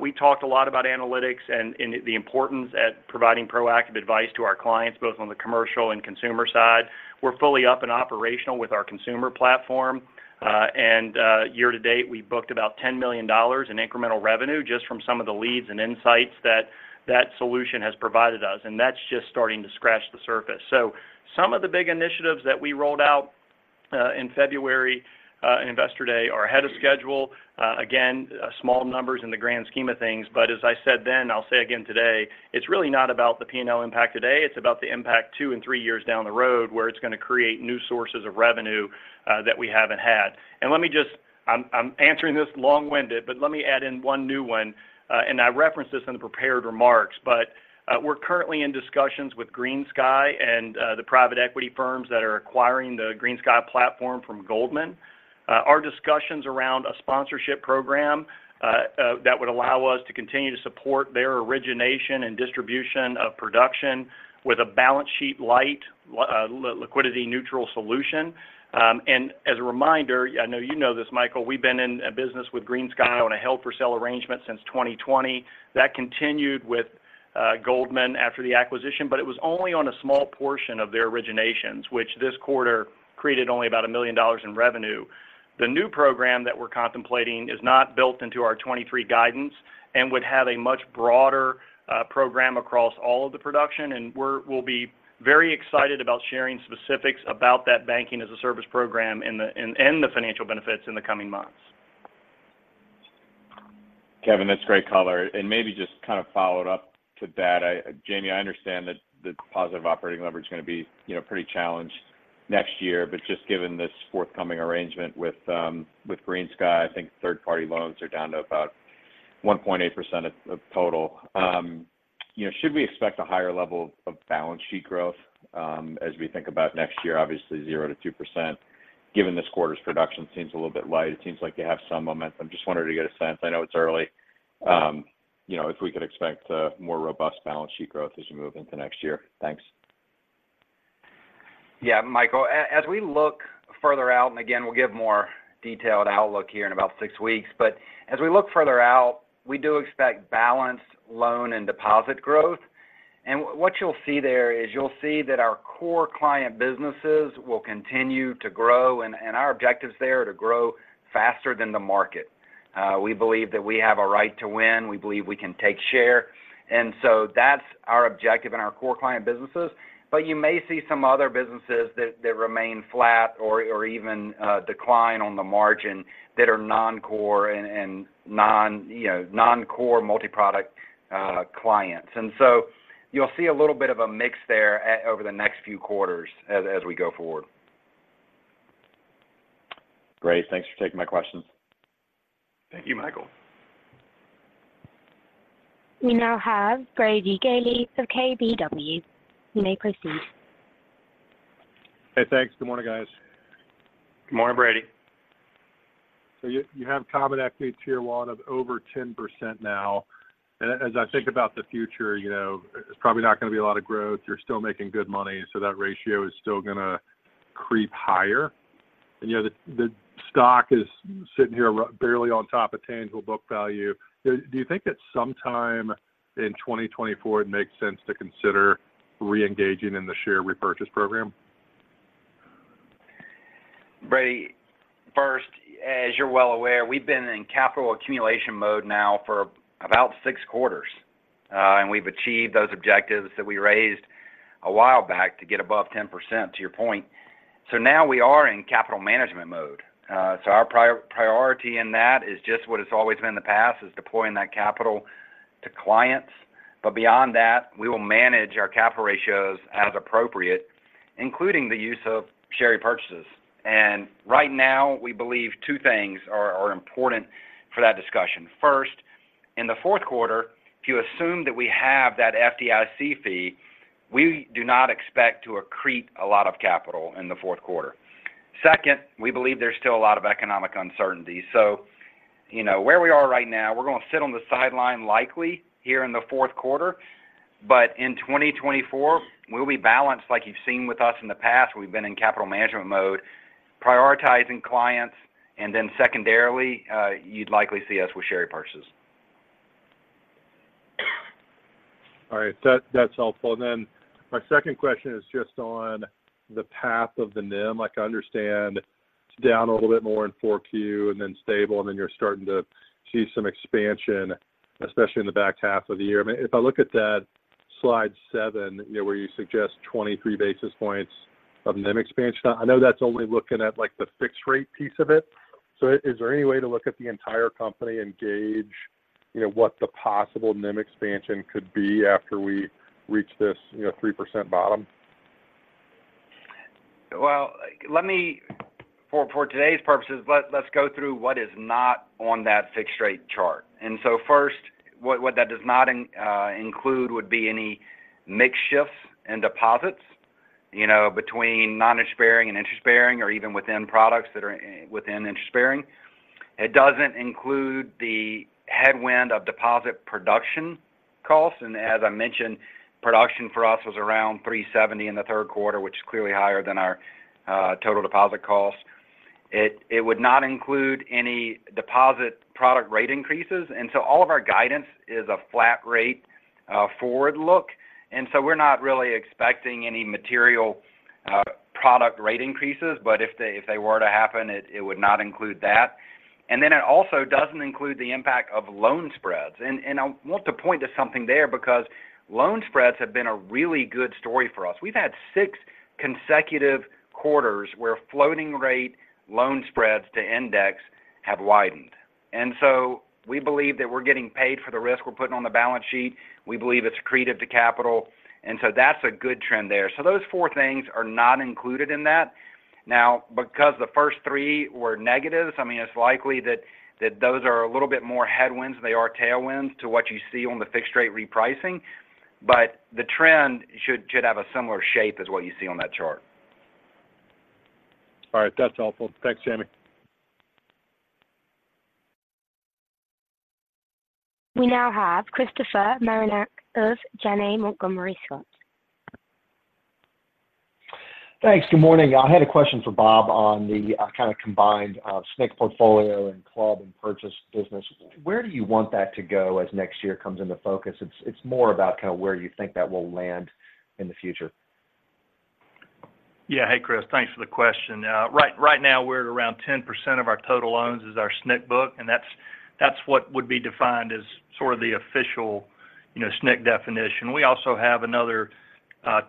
We talked a lot about analytics and the importance at providing proactive advice to our clients, both on the commercial and consumer side. We're fully up and operational with our consumer platform. And year-to-date, we've booked about $10 million in incremental revenue just from some of the leads and insights that that solution has provided us, and that's just starting to scratch the surface. So some of the big initiatives that we rolled out in February Investor Day are ahead of schedule. Again, small numbers in the grand scheme of things, but as I said then, I'll say again today, it's really not about the P&L impact today, it's about the impact two and three years down the road, where it's going to create new sources of revenue that we haven't had. And let me just—I'm answering this long-winded, but let me add in one new one, and I referenced this in the prepared remarks. But we're currently in discussions with GreenSky and the private equity firms that are acquiring the GreenSky platform from Goldman. Our discussions around a sponsorship program that would allow us to continue to support their origination and distribution of production with a balance sheet light, liquidity neutral solution. And as a reminder, I know you know this, Michael, we've been in a business with GreenSky on a hold for sale arrangement since 2020. That continued with Goldman after the acquisition, but it was only on a small portion of their originations, which this quarter created only about $1 million in revenue. The new program that we're contemplating is not built into our 23 guidance and would have a much broader program across all of the production, and we'll be very excited about sharing specifics about that banking as a service program and the financial benefits in the coming months. Kevin, that's great color. And maybe just kind of follow it up to that, Jamie, I understand that the positive operating leverage is going to be, you know, pretty challenged next year, but just given this forthcoming arrangement with, with GreenSky, I think third-party loans are down to about 1.8% of, of total. You know, should we expect a higher level of balance sheet growth, as we think about next year? Obviously, 0%-2%, given this quarter's production seems a little bit light. It seems like you have some momentum. Just wanted to get a sense. I know it's early, you know, if we could expect a more robust balance sheet growth as you move into next year. Thanks. Yeah, Michael, as we look further out, and again, we'll give more detailed outlook here in about six weeks, but as we look further out, we do expect balanced loan and deposit growth. And what you'll see there is you'll see that our core client businesses will continue to grow, and our objectives there are to grow faster than the market. We believe that we have a right to win. We believe we can take share. And so that's our objective in our core client businesses. But you may see some other businesses that remain flat or even decline on the margin that are non-core and non, you know, nonc-ore multiproduct clients. And so you'll see a little bit of a mix there, over the next few quarters as we go forward. Great. Thanks for taking my questions. Thank you, Michael. We now have Brady Gailey of KBW. You may proceed. Hey, thanks. Good morning, guys. Good morning, Brady. So you have Common Equity Tier 1 of over 10% now. And as I think about the future, you know, it's probably not going to be a lot of growth. You're still making good money, so that ratio is still going to creep higher. And, you know, the stock is sitting here barely on top of tangible book value. Do you think that sometime in 2024, it makes sense to consider reengaging in the share repurchase program? Brady, first, as you're well aware, we've been in capital accumulation mode now for about six quarters, and we've achieved those objectives that we raised a while back to get above 10%, to your point. So now we are in capital management mode. So our priority in that is just what it's always been in the past, is deploying that capital to clients. But beyond that, we will manage our capital ratios as appropriate, including the use of share repurchases. And right now, we believe two things are important for that discussion. First, in Q4, if you assume that we have that FDIC fee, we do not expect to accrete a lot of capital in Q4. Second, we believe there's still a lot of economic uncertainty. You know, where we are right now, we're going to sit on the sideline likely here in Q4, but in 2024, we'll be balanced like you've seen with us in the past. We've been in capital management mode, prioritizing clients, and then secondarily, you'd likely see us with share repurchases. All right. That, that's helpful. And then my second question is just on the path of the NIM. Like, I understand it's down a little bit more in Q4 and then stable, and then you're starting to see some expansion, especially in the back half of the year. I mean, if I look at that slide seven, you know, where you suggest 23 basis points of NIM expansion, I know that's only looking at, like, the fixed rate piece of it. So is there any way to look at the entire company and gauge, you know, what the possible NIM expansion could be after we reach this, you know, 3% bottom? Well, let me for today's purposes, let's go through what is not on that fixed rate chart. And so first, what that does not include would be any mix shifts in deposits, you know, between non-interest bearing and interest bearing, or even within products that are within interest bearing. It doesn't include the headwind of deposit production costs, and as I mentioned, production for us was around 370 in Q3, which is clearly higher than our total deposit costs. It would not include any deposit product rate increases, and so all of our guidance is a flat rate forward look. And so we're not really expecting any material product rate increases, but if they were to happen, it would not include that. And then it also doesn't include the impact of loan spreads. I want to point to something there because loan spreads have been a really good story for us. We've had six consecutive quarters where floating rate loan spreads to index have widened. And so we believe that we're getting paid for the risk we're putting on the balance sheet. We believe it's accretive to capital, and so that's a good trend there. So those four things are not included in that. Now, because the first three were negatives, I mean, it's likely that those are a little bit more headwinds than they are tailwinds to what you see on the fixed rate repricing, but the trend should have a similar shape as what you see on that chart. All right, that's helpful. Thanks, Jamie. We now have Christopher Marinac of Janney Montgomery Scott. Thanks. Good morning. I had a question for Bob on the kind of combined SNCC portfolio and club and purchase business. Where do you want that to go as next year comes into focus? It's more about kind of where you think that will land in the future. Yeah. Hey, Chris, thanks for the question. Right, right now, we're at around 10% of our total loans is our SNCC book, and that's, that's what would be defined as sort of the official, you know, SNCC definition. We also have another,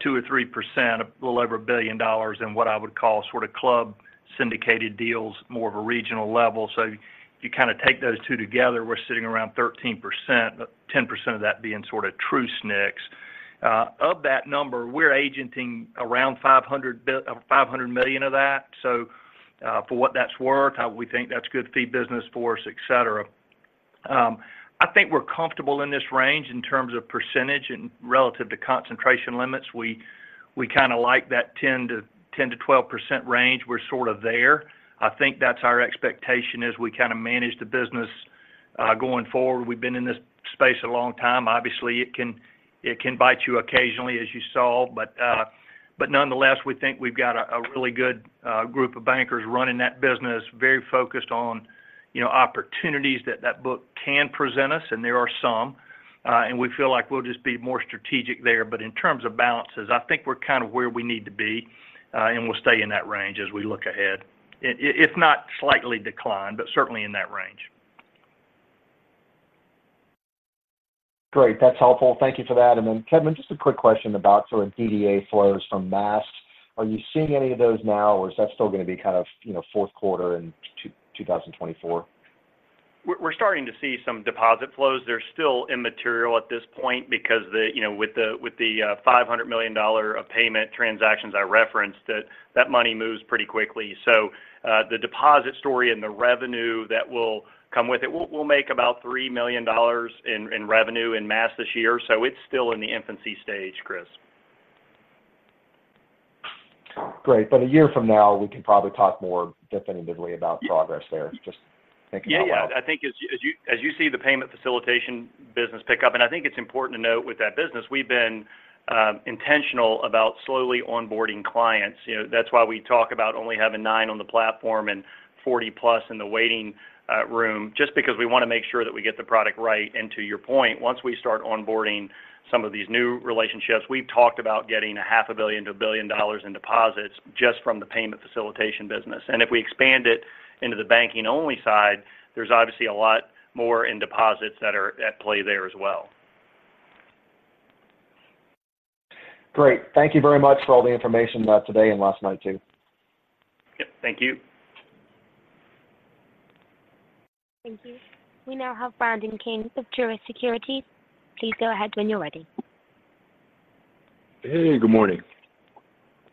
two or three percent, a little over $1 billion in what I would call sort of club syndicated deals, more of a regional level. So if you kind of take those two together, we're sitting around 13%, but 10% of that being sort of true SNCCs. Of that number, we're agenting around $500 million of that. So, for what that's worth, we think that's good fee business for us, et cetera. I think we're comfortable in this range in terms of percentage and relative to concentration limits. We kind of like that 10%-12% range. We're sort of there. I think that's our expectation as we kind of manage the business going forward. We've been in this space a long time. Obviously, it can bite you occasionally, as you saw. But nonetheless, we think we've got a really good group of bankers running that business, very focused on, you know, opportunities that book can present us, and there are some. And we feel like we'll just be more strategic there. But in terms of balances, I think we're kind of where we need to be, and we'll stay in that range as we look ahead. If not slightly decline, but certainly in that range. Great. That's helpful. Thank you for that. And then, Kevin, just a quick question about sort of DDA flows from Maast. Are you seeing any of those now, or is that still going to be kind of, you know, Q4 in 2024? We're starting to see some deposit flows. They're still immaterial at this point because, you know, with the, with the, $500 million of payment transactions I referenced, that money moves pretty quickly. So, the deposit story and the revenue that will come with it, we'll make about $3 million in revenue in Maast this year, so it's still in the infancy stage, Chris. Great. But a year from now, we can probably talk more definitively about progress there. Just thinking out loud. Yeah, yeah. I think as you see the payment facilitation business pick up, and I think it's important to note with that business, we've been intentional about slowly onboarding clients. You know, that's why we talk about only having nine on the platform and 40+ in the waiting room, just because we want to make sure that we get the product right. And to your point, once we start onboarding some of these new relationships, we've talked about getting $500 million-$1 billion in deposits just from the payment facilitation business. And if we expand it into the banking-only side, there's obviously a lot more in deposits that are at play there as well. Great. Thank you very much for all the information today and last night, too. Yep, thank you. Thank you. We now have Brandon King of Truist Securities. Please go ahead when you're ready. Hey, good morning.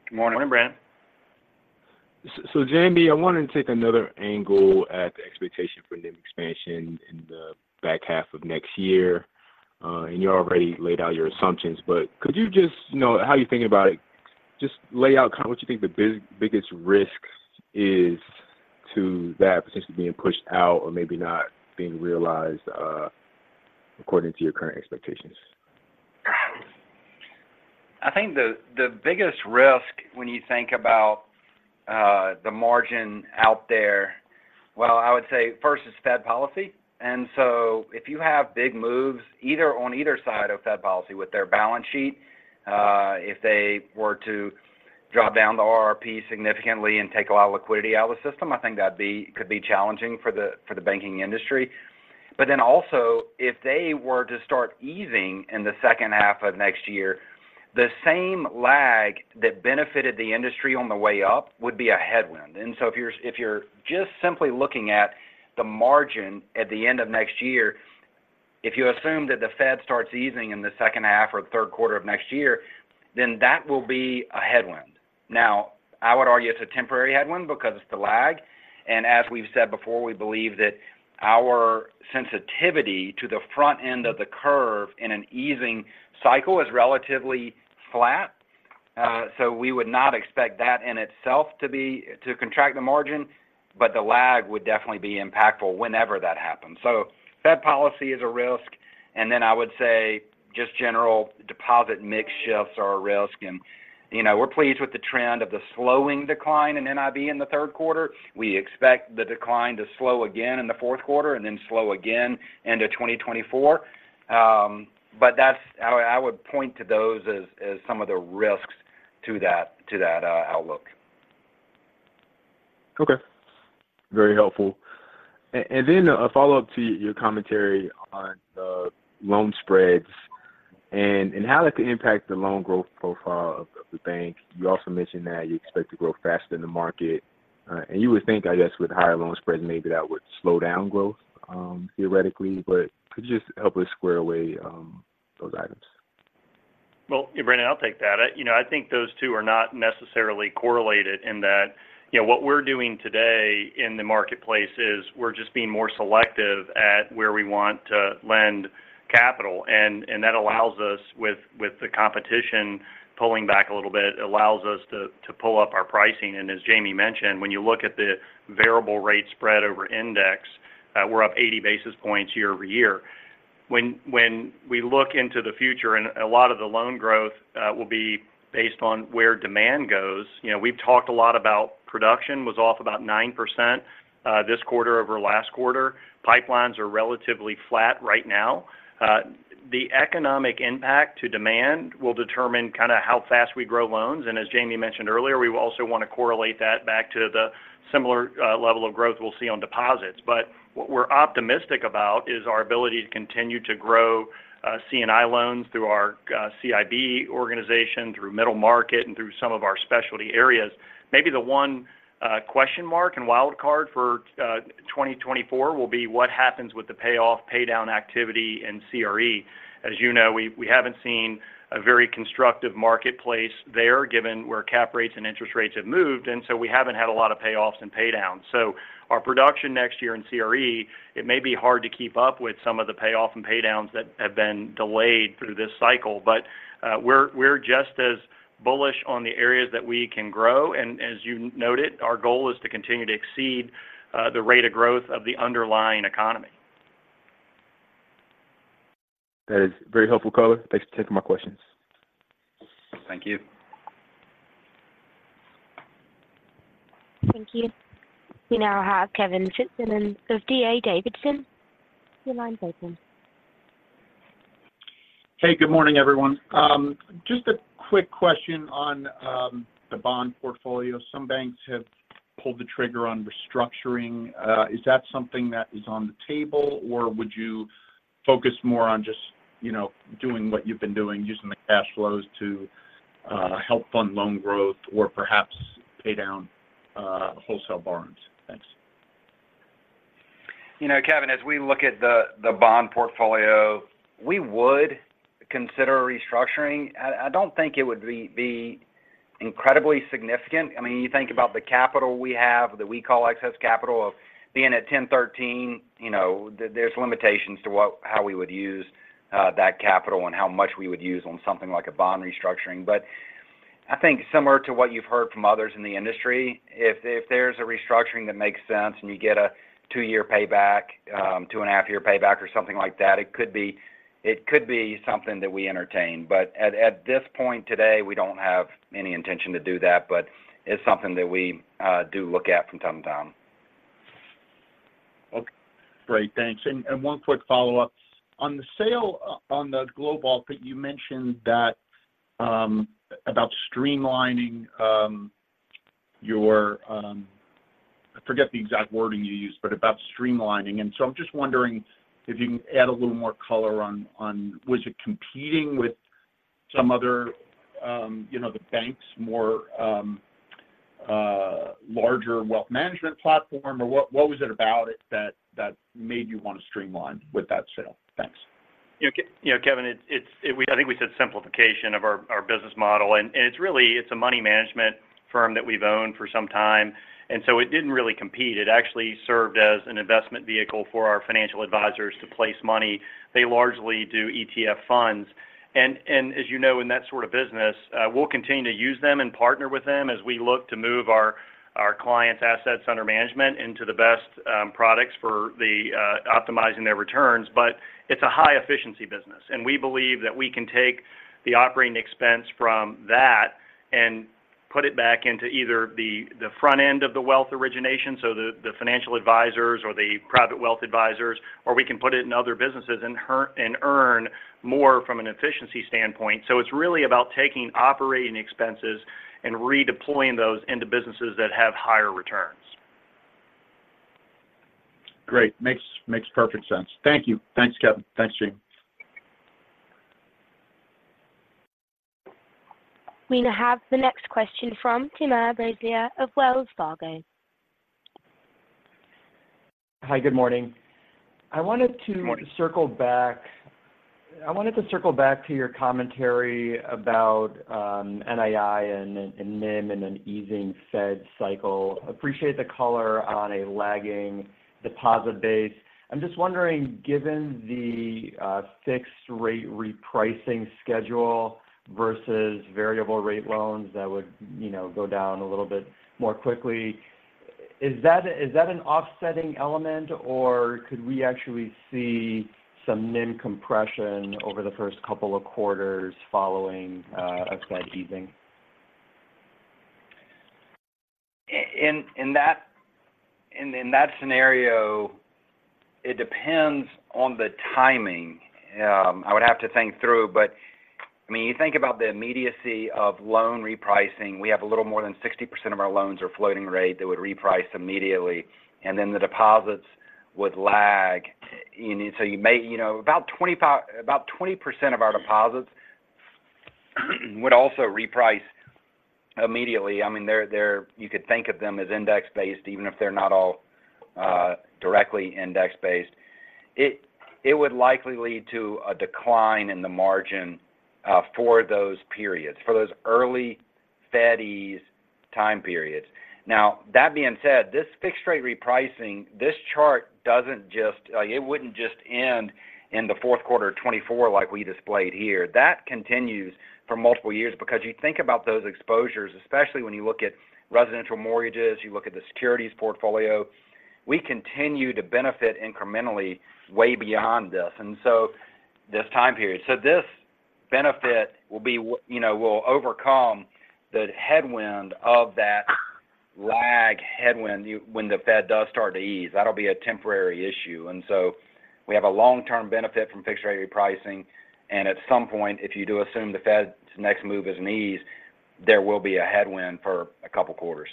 Good morning. Morning, Brandon. So Jamie, I wanted to take another angle at the expectation for NIM expansion in the back half of next year. And you already laid out your assumptions, but could you just, you know, how you're thinking about it, just lay out kind of what you think the biggest risk is to that potentially being pushed out or maybe not being realized, according to your current expectations? I think the biggest risk when you think about the margin out there, well, I would say first is Fed policy. And so if you have big moves, either on either side of Fed policy with their balance sheet, if they were to drop down the RRP significantly and take a lot of liquidity out of the system, I think that could be challenging for the banking industry. But then also, if they were to start easing in the second half of next year, the same lag that benefited the industry on the way up would be a headwind. And so if you're just simply looking at the margin at the end of next year, if you assume that the Fed starts easing in the second half or Q3 of next year, then that will be a headwind. Now, I would argue it's a temporary headwind because it's the lag, and as we've said before, we believe that our sensitivity to the front end of the curve in an easing cycle is relatively flat. So we would not expect that in itself to be to contract the margin, but the lag would definitely be impactful whenever that happens. So Fed policy is a risk, and then I would say just general deposit mix shifts are a risk. And, you know, we're pleased with the trend of the slowing decline in NIB in Q3. We expect the decline to slow again in Q4 and then slow again into 2024. But that's. I would point to those as some of the risks to that outlook. Okay. Very helpful. And then a follow-up to your commentary on the loan spreads and how that could impact the loan growth profile of the bank. You also mentioned that you expect to grow faster than the market, and you would think, I guess, with higher loan spreads, maybe that would slow down growth, theoretically, but could you just help me square away those items? Well, yeah, Brandon, I'll take that. I, you know, I think those two are not necessarily correlated in that, you know, what we're doing today in the marketplace is we're just being more selective at where we want to lend capital. And that allows us with the competition pulling back a little bit, allows us to pull up our pricing. And as Jamie mentioned, when you look at the variable rate spread over index, we're up 80 basis points year-over-year. When we look into the future, and a lot of the loan growth will be based on where demand goes, you know, we've talked a lot about production was off about 9%, this quarter over last quarter. Pipelines are relatively flat right now. The economic impact to demand will determine kind of how fast we grow loans. As Jamie mentioned earlier, we will also want to correlate that back to the similar level of growth we'll see on deposits. But what we're optimistic about is our ability to continue to grow C&I loans through our CIB organization, through middle market, and through some of our specialty areas. Maybe the one question mark and wild card for 2024 will be what happens with the payoff, paydown activity in CRE. As you know, we haven't seen a very constructive marketplace there, given where cap rates and interest rates have moved, and so we haven't had a lot of payoffs and paydowns. So our production next year in CRE, it may be hard to keep up with some of the payoff and paydowns that have been delayed through this cycle. But we're just as bullish on the areas that we can grow. And as you noted, our goal is to continue to exceed the rate of growth of the underlying economy. That is very helpful, Color. Thanks for taking my questions. Thank you. Thank you. We now have Kevin Fitzsimmons of DA Davidson. Your line's open. Hey, good morning, everyone. Just a quick question on the bond portfolio. Some banks have pulled the trigger on restructuring. Is that something that is on the table, or would you focus more on just, you know, doing what you've been doing, using the cash flows to help fund loan growth or perhaps pay down wholesale bonds? Thanks. You know, Kevin, as we look at the bond portfolio, we would consider restructuring. I don't think it would be incredibly significant. I mean, you think about the capital we have, that we call excess capital, of being at 10.13, you know, there's limitations to what -how we would use that capital and how much we would use on something like a bond restructuring. But I think similar to what you've heard from others in the industry, if there's a restructuring that makes sense and you get a two-year payback, 2.5-year payback or something like that, it could be something that we entertain. But at this point today, we don't have any intention to do that, but it's something that we do look at from time to time. Okay. Great, thanks. And one quick follow-up, on the sale, on the Globalt, you mentioned that, about streamlining, your... I forget the exact wording you used, but about streamlining. And so I'm just wondering if you can add a little more color on, on was it competing with some other, you know, the banks more, larger wealth management platform? Or what, what was it about it that, that made you want to streamline with that sale? Thanks. Yeah, you know, Kevin, it's—we—I think we said simplification of our business model, and it's really a money management firm that we've owned for some time, and so it didn't really compete. It actually served as an investment vehicle for our financial advisors to place money. They largely do ETF funds. And as you know, in that sort of business, we'll continue to use them and partner with them as we look to move our clients' assets under management into the best products for optimizing their returns. But it's a high-efficiency business, and we believe that we can take the operating expense from that and put it back into either the, the front end of the wealth origination, so the, the financial advisors or the private wealth advisors, or we can put it in other businesses and earn more from an efficiency standpoint. So it's really about taking operating expenses and redeploying those into businesses that have higher returns. Great. Makes perfect sense. Thank you. Thanks, Kevin. Thanks, Jamie. We now have the next question from Timur Braziler of Wells Fargo. Hi, good morning. Good morning. I wanted to circle back to your commentary about NII and NIM and an easing Fed cycle. Appreciate the color on a lagging deposit base. I'm just wondering, given the fixed rate repricing schedule versus variable rate loans that would, you know, go down a little bit more quickly, is that an offsetting element, or could we actually see some NIM compression over the first couple of quarters following a Fed easing? In that scenario, it depends on the timing. I would have to think through, but, I mean, you think about the immediacy of loan repricing. We have a little more than 60% of our loans are floating rate that would reprice immediately, and then the deposits would lag. And so you may, you know, about 25-- about 20% of our deposits would also reprice immediately, I mean, they're-- you could think of them as index-based, even if they're not all directly index-based. It would likely lead to a decline in the margin for those periods, for those early Fed ease time periods. Now, that being said, this fixed-rate repricing, this chart doesn't just-- it wouldn't just end in Q4 of 2024, like we displayed here. That continues for multiple years because you think about those exposures, especially when you look at residential mortgages, you look at the securities portfolio, we continue to benefit incrementally way beyond this. And so this time period. So this benefit will be-- you know, will overcome the headwind of that lag headwind when the Fed does start to ease. That'll be a temporary issue. We have a long-term benefit from fixed-rate repricing, and at some point, if you do assume the Fed's next move is an ease, there will be a headwind for a couple of quarters.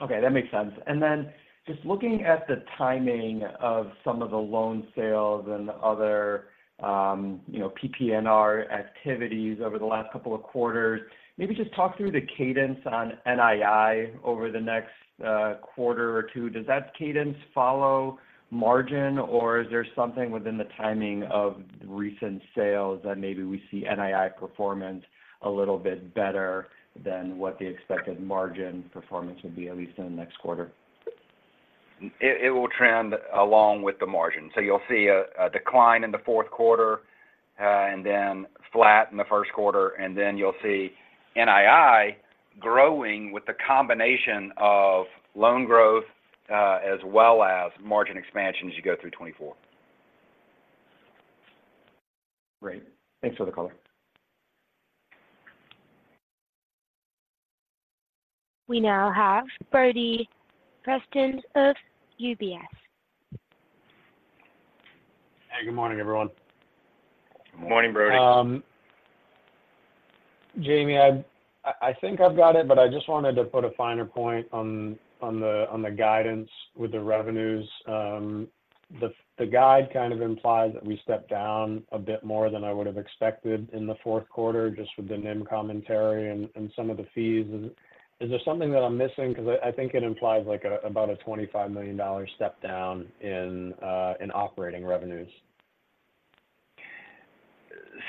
Okay, that makes sense. And then just looking at the timing of some of the loan sales and other, you know, PPNR activities over the last couple of quarters, maybe just talk through the cadence on NII over the next quarter or two. Does that cadence follow margin, or is there something within the timing of the recent sales that maybe we see NII performance a little bit better than what the expected margin performance would be, at least in the next quarter? It, it will trend along with the margin. So you'll see a decline in Q4, and then flat in Q1, and then you'll see NII growing with the combination of loan growth, as well as margin expansion as you go through 2024. Great. Thanks for the color. We now have Brody Preston of UBS. Hey, good morning, everyone. Good morning, Brody. Jamie, I think I've got it, but I just wanted to put a finer point on the guidance with the revenues. The guide kind of implies that we stepped down a bit more than I would have expected in Q4, just with the NIM commentary and some of the fees. Is there something that I'm missing? Because I think it implies like about a $25 million step down in operating revenues.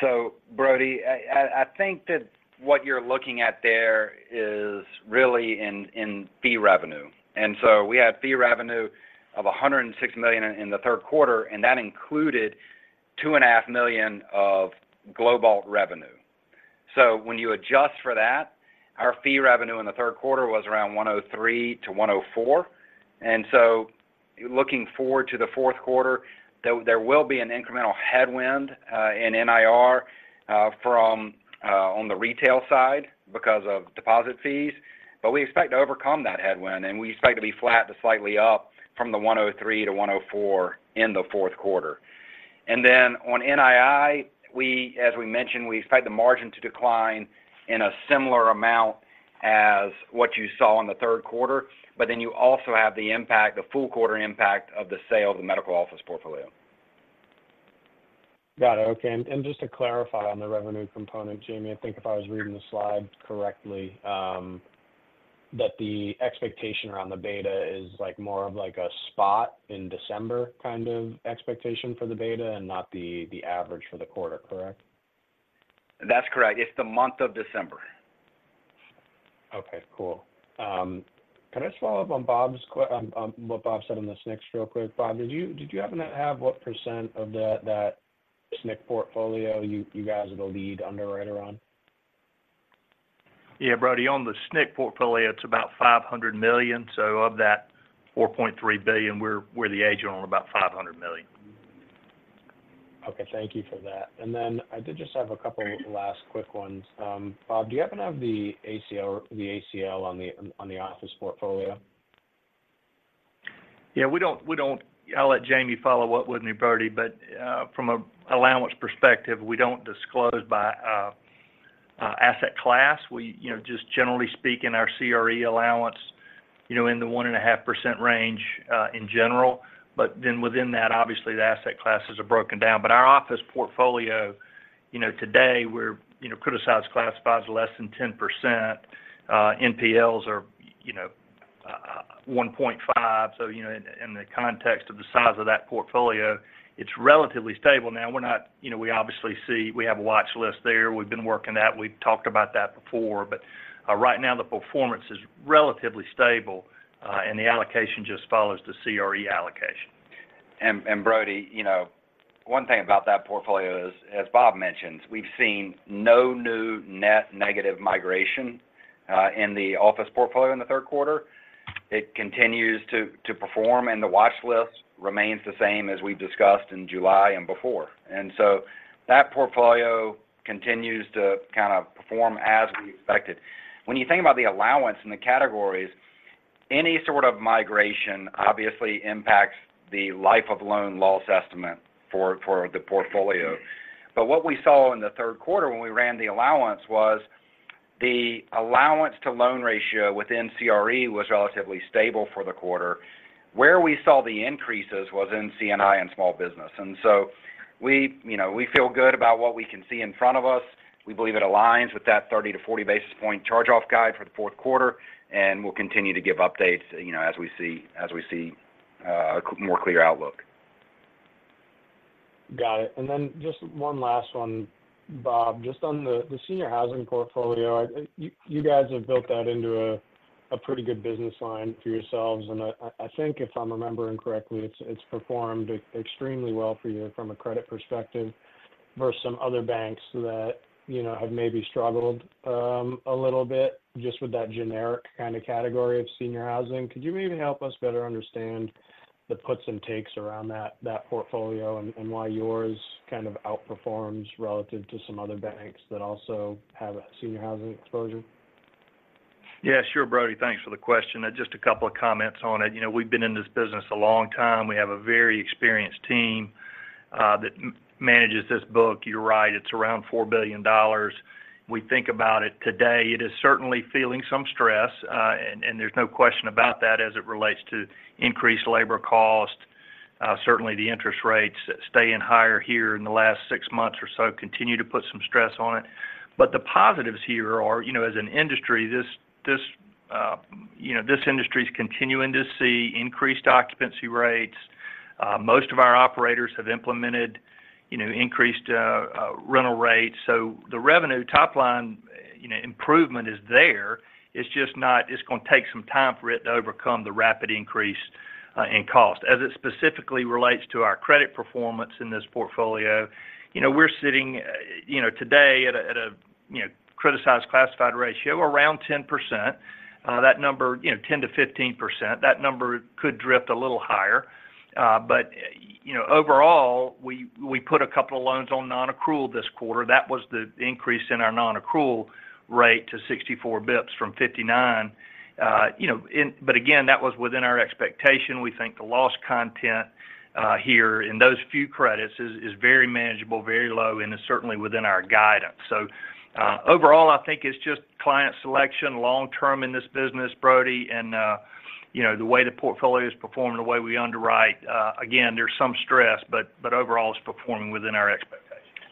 So, Brody, I think that what you're looking at there is really in fee revenue. And so we have fee revenue of $106 million in Q3, and that included $2.5 million of Globalt revenue. So when you adjust for that, our fee revenue in Q3 was around $103 million-$104 million. And so looking forward to Q4, there will be an incremental headwind in NIR from on the retail side because of deposit fees, but we expect to overcome that headwind, and we expect to be flat to slightly up from the $103 million-$104 million in Q4. Then on NII, we, as we mentioned, we expect the margin to decline in a similar amount as what you saw in Q3, but then you also have the impact, the full quarter impact of the sale of the medical office portfolio. Got it. Okay. And just to clarify on the revenue component, Jamie, I think if I was reading the slide correctly, that the expectation around the beta is like more of like a spot in December kind of expectation for the beta and not the average for the quarter, correct? That's correct. It's the month of December. Okay, cool. Can I just follow up on what Bob said on the SNCCs real quick? Bob, did you happen to have what percent of that SNCC portfolio you guys are the lead underwriter on? Yeah, Brody, on the SNCC portfolio, it's about $500 million. So of that $4.3 billion, we're the agent on about $500 million. Okay. Thank you for that. And then I did just have a couple last quick ones. Bob, do you happen to have the ACL, the ACL on the, on the office portfolio? Yeah, we don't. I'll let Jamie follow up with me, Brody, but from an allowance perspective, we don't disclose by asset class. We, you know, just generally speak in our CRE allowance, you know, in the 1.5% range in general, but then within that, obviously, the asset classes are broken down. But our office portfolio, you know, today we're, you know, criticized, classified as less than 10%. NPLs are, you know, 1.5. So, you know, in the context of the size of that portfolio, it's relatively stable. Now, we're not. You know, we obviously see. We have a watch list there. We've been working that. We've talked about that before, but right now the performance is relatively stable, and the allocation just follows the CRE allocation. And Brody, you know, one thing about that portfolio is, as Bob mentions, we've seen no new net negative migration in the office portfolio in Q3. It continues to perform, and the watch list remains the same as we've discussed in July and before. And so that portfolio continues to kind of perform as we expected. When you think about the allowance in the categories, any sort of migration obviously impacts the life of loan loss estimate for the portfolio. But what we saw in Q3 when we ran the allowance was the allowance to loan ratio within CRE was relatively stable for the quarter. Where we saw the increases was in C&I and small business. And so we, you know, we feel good about what we can see in front of us. We believe it aligns with that 30-40 basis point charge-off guide for Q4, and we'll continue to give updates, you know, as we see a more clear outlook. Got it. And then just one last one, Bob. Just on the senior housing portfolio, you guys have built that into a pretty good business line for yourselves. And I think if I'm remembering correctly, it's performed extremely well for you from a credit perspective versus some other banks that, you know, have maybe struggled a little bit just with that generic kind of category of senior housing. Could you maybe help us better understand the puts and takes around that portfolio and why yours kind of outperforms relative to some other banks that also have a senior housing exposure? Yeah, sure, Brody. Thanks for the question. Just a couple of comments on it. You know, we've been in this business a long time. We have a very experienced team that manages this book. You're right, it's around $4 billion. We think about it today, it is certainly feeling some stress, and there's no question about that as it relates to increased labor cost. Certainly the interest rates staying higher here in the last six months or so continue to put some stress on it. But the positives here are, you know, as an industry, this industry is continuing to see increased occupancy rates. Most of our operators have implemented, you know, increased rental rates. So the revenue top line, you know, improvement is there. It's just not—it's going to take some time for it to overcome the rapid increase in cost. As it specifically relates to our credit performance in this portfolio, you know, we're sitting, you know, today at a criticized classified ratio around 10%. That number, you know, 10%-15%, that number could drift a little higher. But, you know, overall, we put a couple of loans on nonaccrual this quarter. That was the increase in our nonaccrual rate to 64 basis points from 59. You know, and—but again, that was within our expectation. We think the loss content here in those few credits is very manageable, very low, and is certainly within our guidance. So, overall, I think it's just client selection long term in this business, Brody, and, you know, the way the portfolio is performing, the way we underwrite, again, there's some stress, but, but overall, it's performing within our expectations.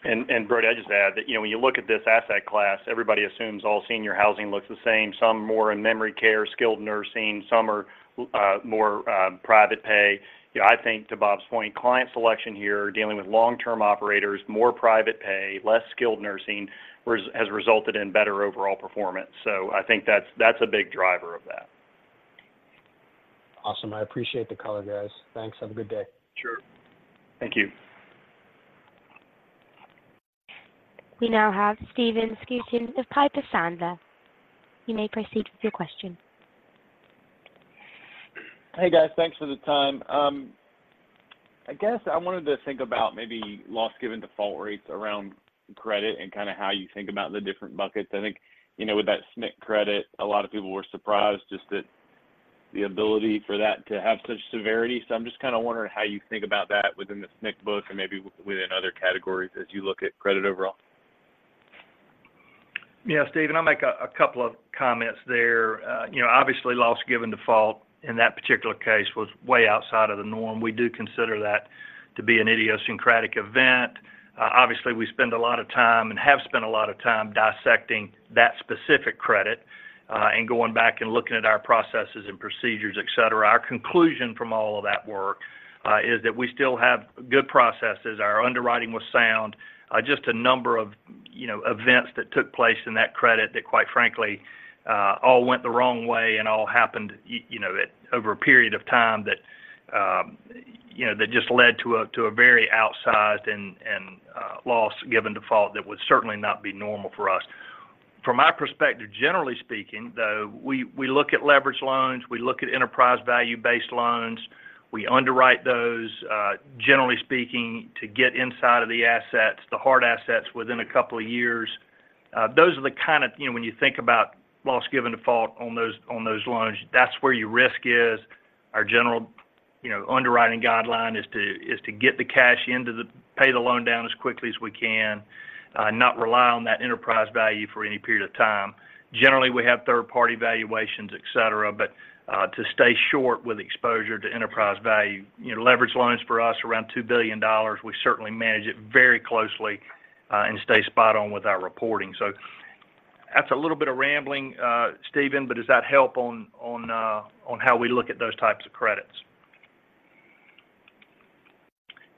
And Brody, I'd just add that, you know, when you look at this asset class, everybody assumes all senior housing looks the same. Some more in memory care, skilled nursing, some are more private pay. You know, I think to Bob's point, client selection here, dealing with long-term operators, more private pay, less skilled nursing, has resulted in better overall performance. So I think that's a big driver of that. Awesome. I appreciate the color, guys. Thanks. Have a good day. Sure. Thank you. We now have Stephen Scouten of Piper Sandler. You may proceed with your question. Hey, guys. Thanks for the time. I guess I wanted to think about maybe loss given default rates around credit and kind of how you think about the different buckets. I think, you know, with that SNCC credit, a lot of people were surprised just at the ability for that to have such severity. So I'm just kind of wondering how you think about that within the SNCC book or maybe within other categories as you look at credit overall. Yeah, Stephen, I'll make a couple of comments there. You know, obviously, loss given default in that particular case was way outside of the norm. We do consider that to be an idiosyncratic event. Obviously, we spend a lot of time and have spent a lot of time dissecting that specific credit, and going back and looking at our processes and procedures, et cetera. Our conclusion from all of that work is that we still have good processes. Our underwriting was sound, just a number of, you know, events that took place in that credit that, quite frankly, all went the wrong way and all happened you know, at over a period of time that, you know, that just led to a very outsized and loss given default that would certainly not be normal for us. From my perspective, generally speaking, though, we, we look at leveraged loans, we look at enterprise value-based loans, we underwrite those, generally speaking, to get inside of the assets, the hard assets, within a couple of years. Those are the kind of, you know, when you think about loss given default on those, on those loans, that's where your risk is. Our general, you know, underwriting guideline is to, is to get the cash into the, pay the loan down as quickly as we can, not rely on that enterprise value for any period of time. Generally, we have third-party valuations, et cetera, but, to stay short with exposure to enterprise value, you know, leveraged loans for us around $2 billion, we certainly manage it very closely, and stay spot on with our reporting. That's a little bit of rambling, Stephen, but does that help on how we look at those types of credits?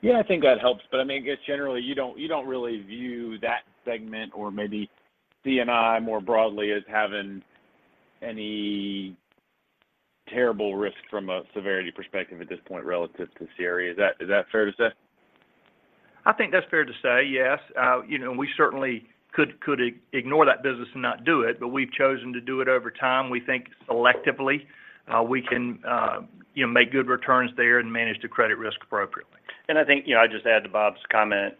Yeah, I think that helps, but I mean, I guess generally, you don't, you don't really view that segment or maybe C&I more broadly as having any terrible risk from a severity perspective at this point relative to CRE. Is that, is that fair to say? I think that's fair to say, yes. You know, we certainly could ignore that business and not do it, but we've chosen to do it over time. We think selectively, we can, you know, make good returns there and manage the credit risk appropriately. And I think, you know, I just add to Bob's comment.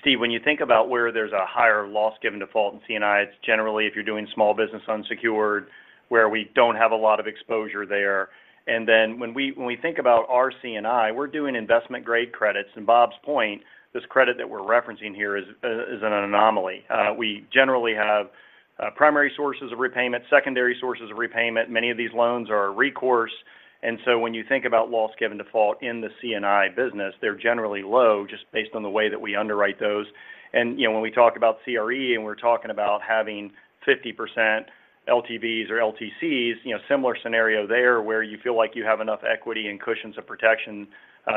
Steve, when you think about where there's a higher loss given default in C&I, it's generally if you're doing small business unsecured,... where we don't have a lot of exposure there. And then when we, when we think about our C&I, we're doing investment-grade credits. And Bob's point, this credit that we're referencing here is, is an anomaly. We generally have, primary sources of repayment, secondary sources of repayment. Many of these loans are recourse. And so when you think about loss given default in the C&I business, they're generally low, just based on the way that we underwrite those. You know, when we talk about CRE, and we're talking about having 50% LTVs or LTCs, you know, similar scenario there, where you feel like you have enough equity and cushions of protection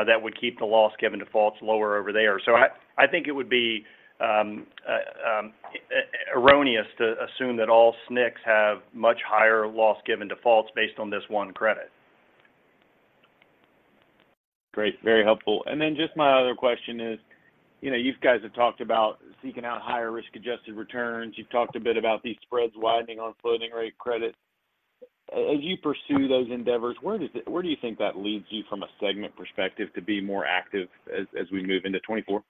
that would keep the loss given defaults lower over there. So I think it would be erroneous to assume that all SNCs have much higher loss given defaults based on this one credit. Great, very helpful. And then just my other question is, you know, you guys have talked about seeking out higher risk-adjusted returns. You've talked a bit about these spreads widening on floating-rate credit. As you pursue those endeavors, where do you think that leads you from a segment perspective to be more active as we move into 2024?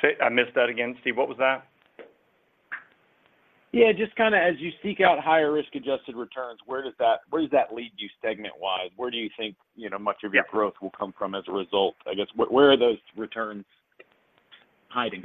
Say, I missed that again, Steve. What was that? Yeah, just kind of as you seek out higher risk-adjusted returns, where does that, where does that lead you segment-wise? Where do you think, you know, much of your growth will come from as a result? I guess, where, where are those returns hiding?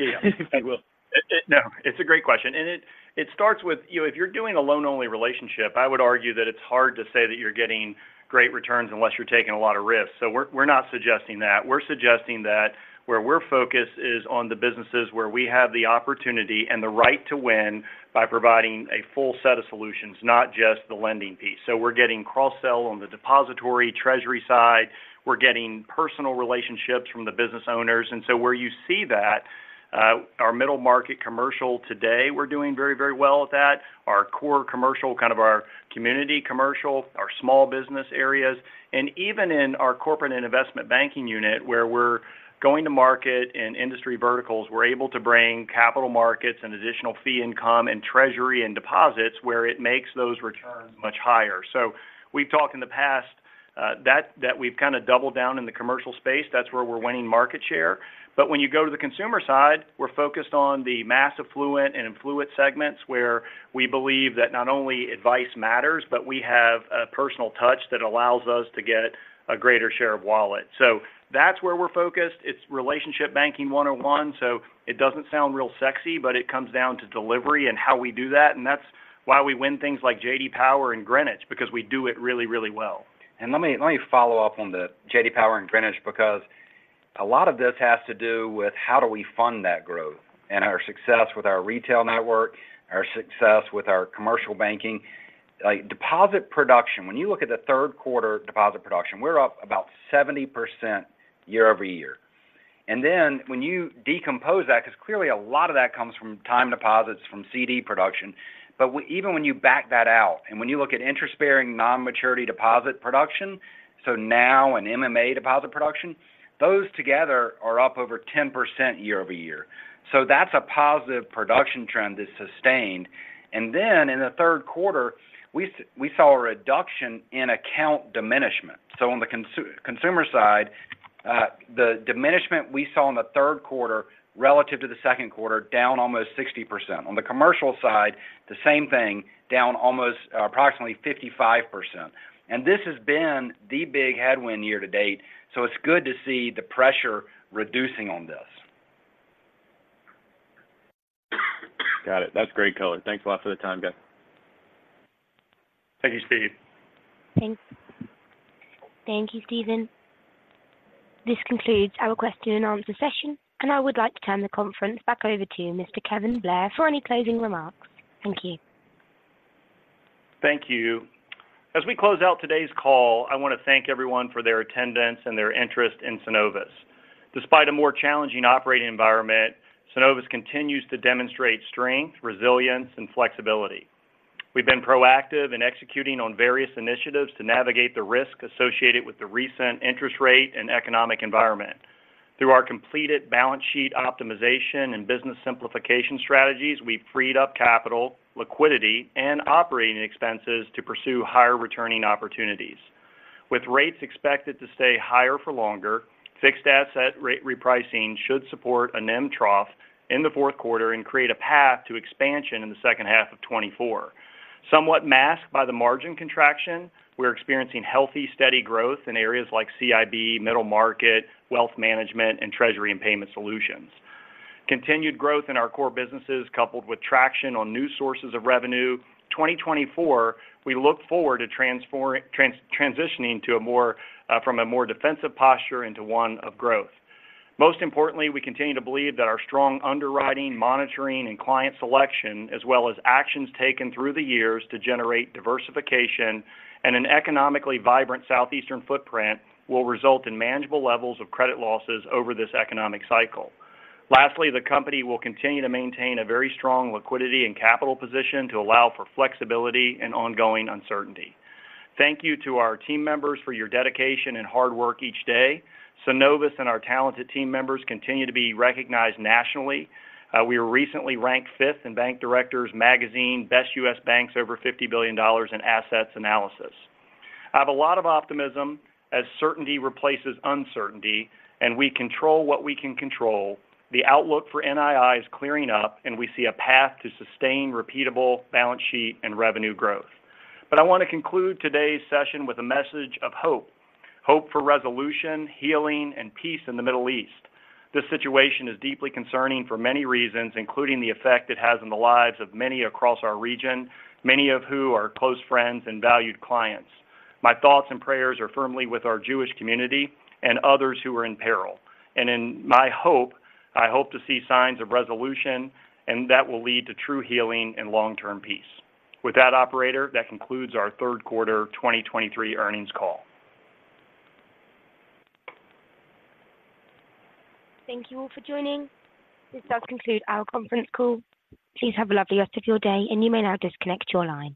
No, it's a great question, and it, it starts with, you know, if you're doing a loan-only relationship, I would argue that it's hard to say that you're getting great returns unless you're taking a lot of risks. So we're, we're not suggesting that. We're suggesting that where we're focused is on the businesses where we have the opportunity and the right to win by providing a full set of solutions, not just the lending piece. So we're getting cross-sell on the depository treasury side. We're getting personal relationships from the business owners. And so where you see that, our middle market commercial today, we're doing very, very well at that. Our core commercial, kind of our community commercial, our small business areas, and even in our corporate and investment banking unit, where we're going to market in industry verticals, we're able to bring capital markets and additional fee income and treasury and deposits where it makes those returns much higher. So we've talked in the past, that we've kind of doubled down in the commercial space. That's where we're winning market share. But when you go to the consumer side, we're focused on the mass affluent and influent segments, where we believe that not only advice matters, but we have a personal touch that allows us to get a greater share of wallet. So that's where we're focused. It's relationship banking one-on-one, so it doesn't sound real sexy, but it comes down to delivery and how we do that, and that's why we win things like J.D. Power and Greenwich, because we do it really, really well. Let me follow up on the J.D. Power and Greenwich, because a lot of this has to do with how do we fund that growth and our success with our retail network, our success with our commercial banking. Like, deposit production, when you look at Q3 deposit production, we're up about 70% year-over-year. And then when you decompose that, because clearly a lot of that comes from time deposits, from CD production, but even when you back that out, and when you look at interest-bearing, non-maturity deposit production, so now in MMA deposit production, those together are up over 10% year-over-year. So that's a positive production trend that's sustained. And then in Q3, we saw a reduction in account diminishment. So on the consumer side, the diminishment we saw in Q3 relative to the second quarter, down almost 60%. On the commercial side, the same thing, down almost, approximately 55%. And this has been the big headwind year to date, so it's good to see the pressure reducing on this. Got it. That's great, Color. Thanks a lot for the time, guys. Thank you, Steve. Thanks. Thank you, Steven. This concludes our question and answer session, and I would like to turn the conference back over to you, Mr. Kevin Blair, for any closing remarks. Thank you. Thank you. As we close out today's call, I want to thank everyone for their attendance and their interest in Synovus. Despite a more challenging operating environment, Synovus continues to demonstrate strength, resilience, and flexibility. We've been proactive in executing on various initiatives to navigate the risk associated with the recent interest rate and economic environment. Through our completed balance sheet optimization and business simplification strategies, we've freed up capital, liquidity, and operating expenses to pursue higher-returning opportunities. With rates expected to stay higher for longer, fixed asset rate repricing should support a NIM trough in Q4 and create a path to expansion in the second half of 2024. Somewhat masked by the margin contraction, we're experiencing healthy, steady growth in areas like CIB, middle market, wealth management, and treasury and payment solutions. Continued growth in our core businesses, coupled with traction on new sources of revenue, 2024, we look forward to transitioning to a more from a more defensive posture into one of growth. Most importantly, we continue to believe that our strong underwriting, monitoring, and client selection, as well as actions taken through the years to generate diversification and an economically vibrant southeastern footprint, will result in manageable levels of credit losses over this economic cycle. Lastly, the company will continue to maintain a very strong liquidity and capital position to allow for flexibility and ongoing uncertainty. Thank you to our team members for your dedication and hard work each day. Synovus and our talented team members continue to be recognized nationally. We were recently ranked fifth in Bank Director magazine, Best U.S. Banks Over $50 Billion in Assets Analysis. I have a lot of optimism as certainty replaces uncertainty, and we control what we can control. The outlook for NII is clearing up, and we see a path to sustained, repeatable balance sheet and revenue growth. But I want to conclude today's session with a message of hope. Hope for resolution, healing, and peace in the Middle East. This situation is deeply concerning for many reasons, including the effect it has on the lives of many across our region, many of whom are close friends and valued clients. My thoughts and prayers are firmly with our Jewish community and others who are in peril. And in my hope, I hope to see signs of resolution, and that will lead to true healing and long-term peace. With that, operator, that concludes our Q3 2023 Earnings Call. Thank you all for joining. This does conclude our conference call. Please have a lovely rest of your day, and you may now disconnect your line.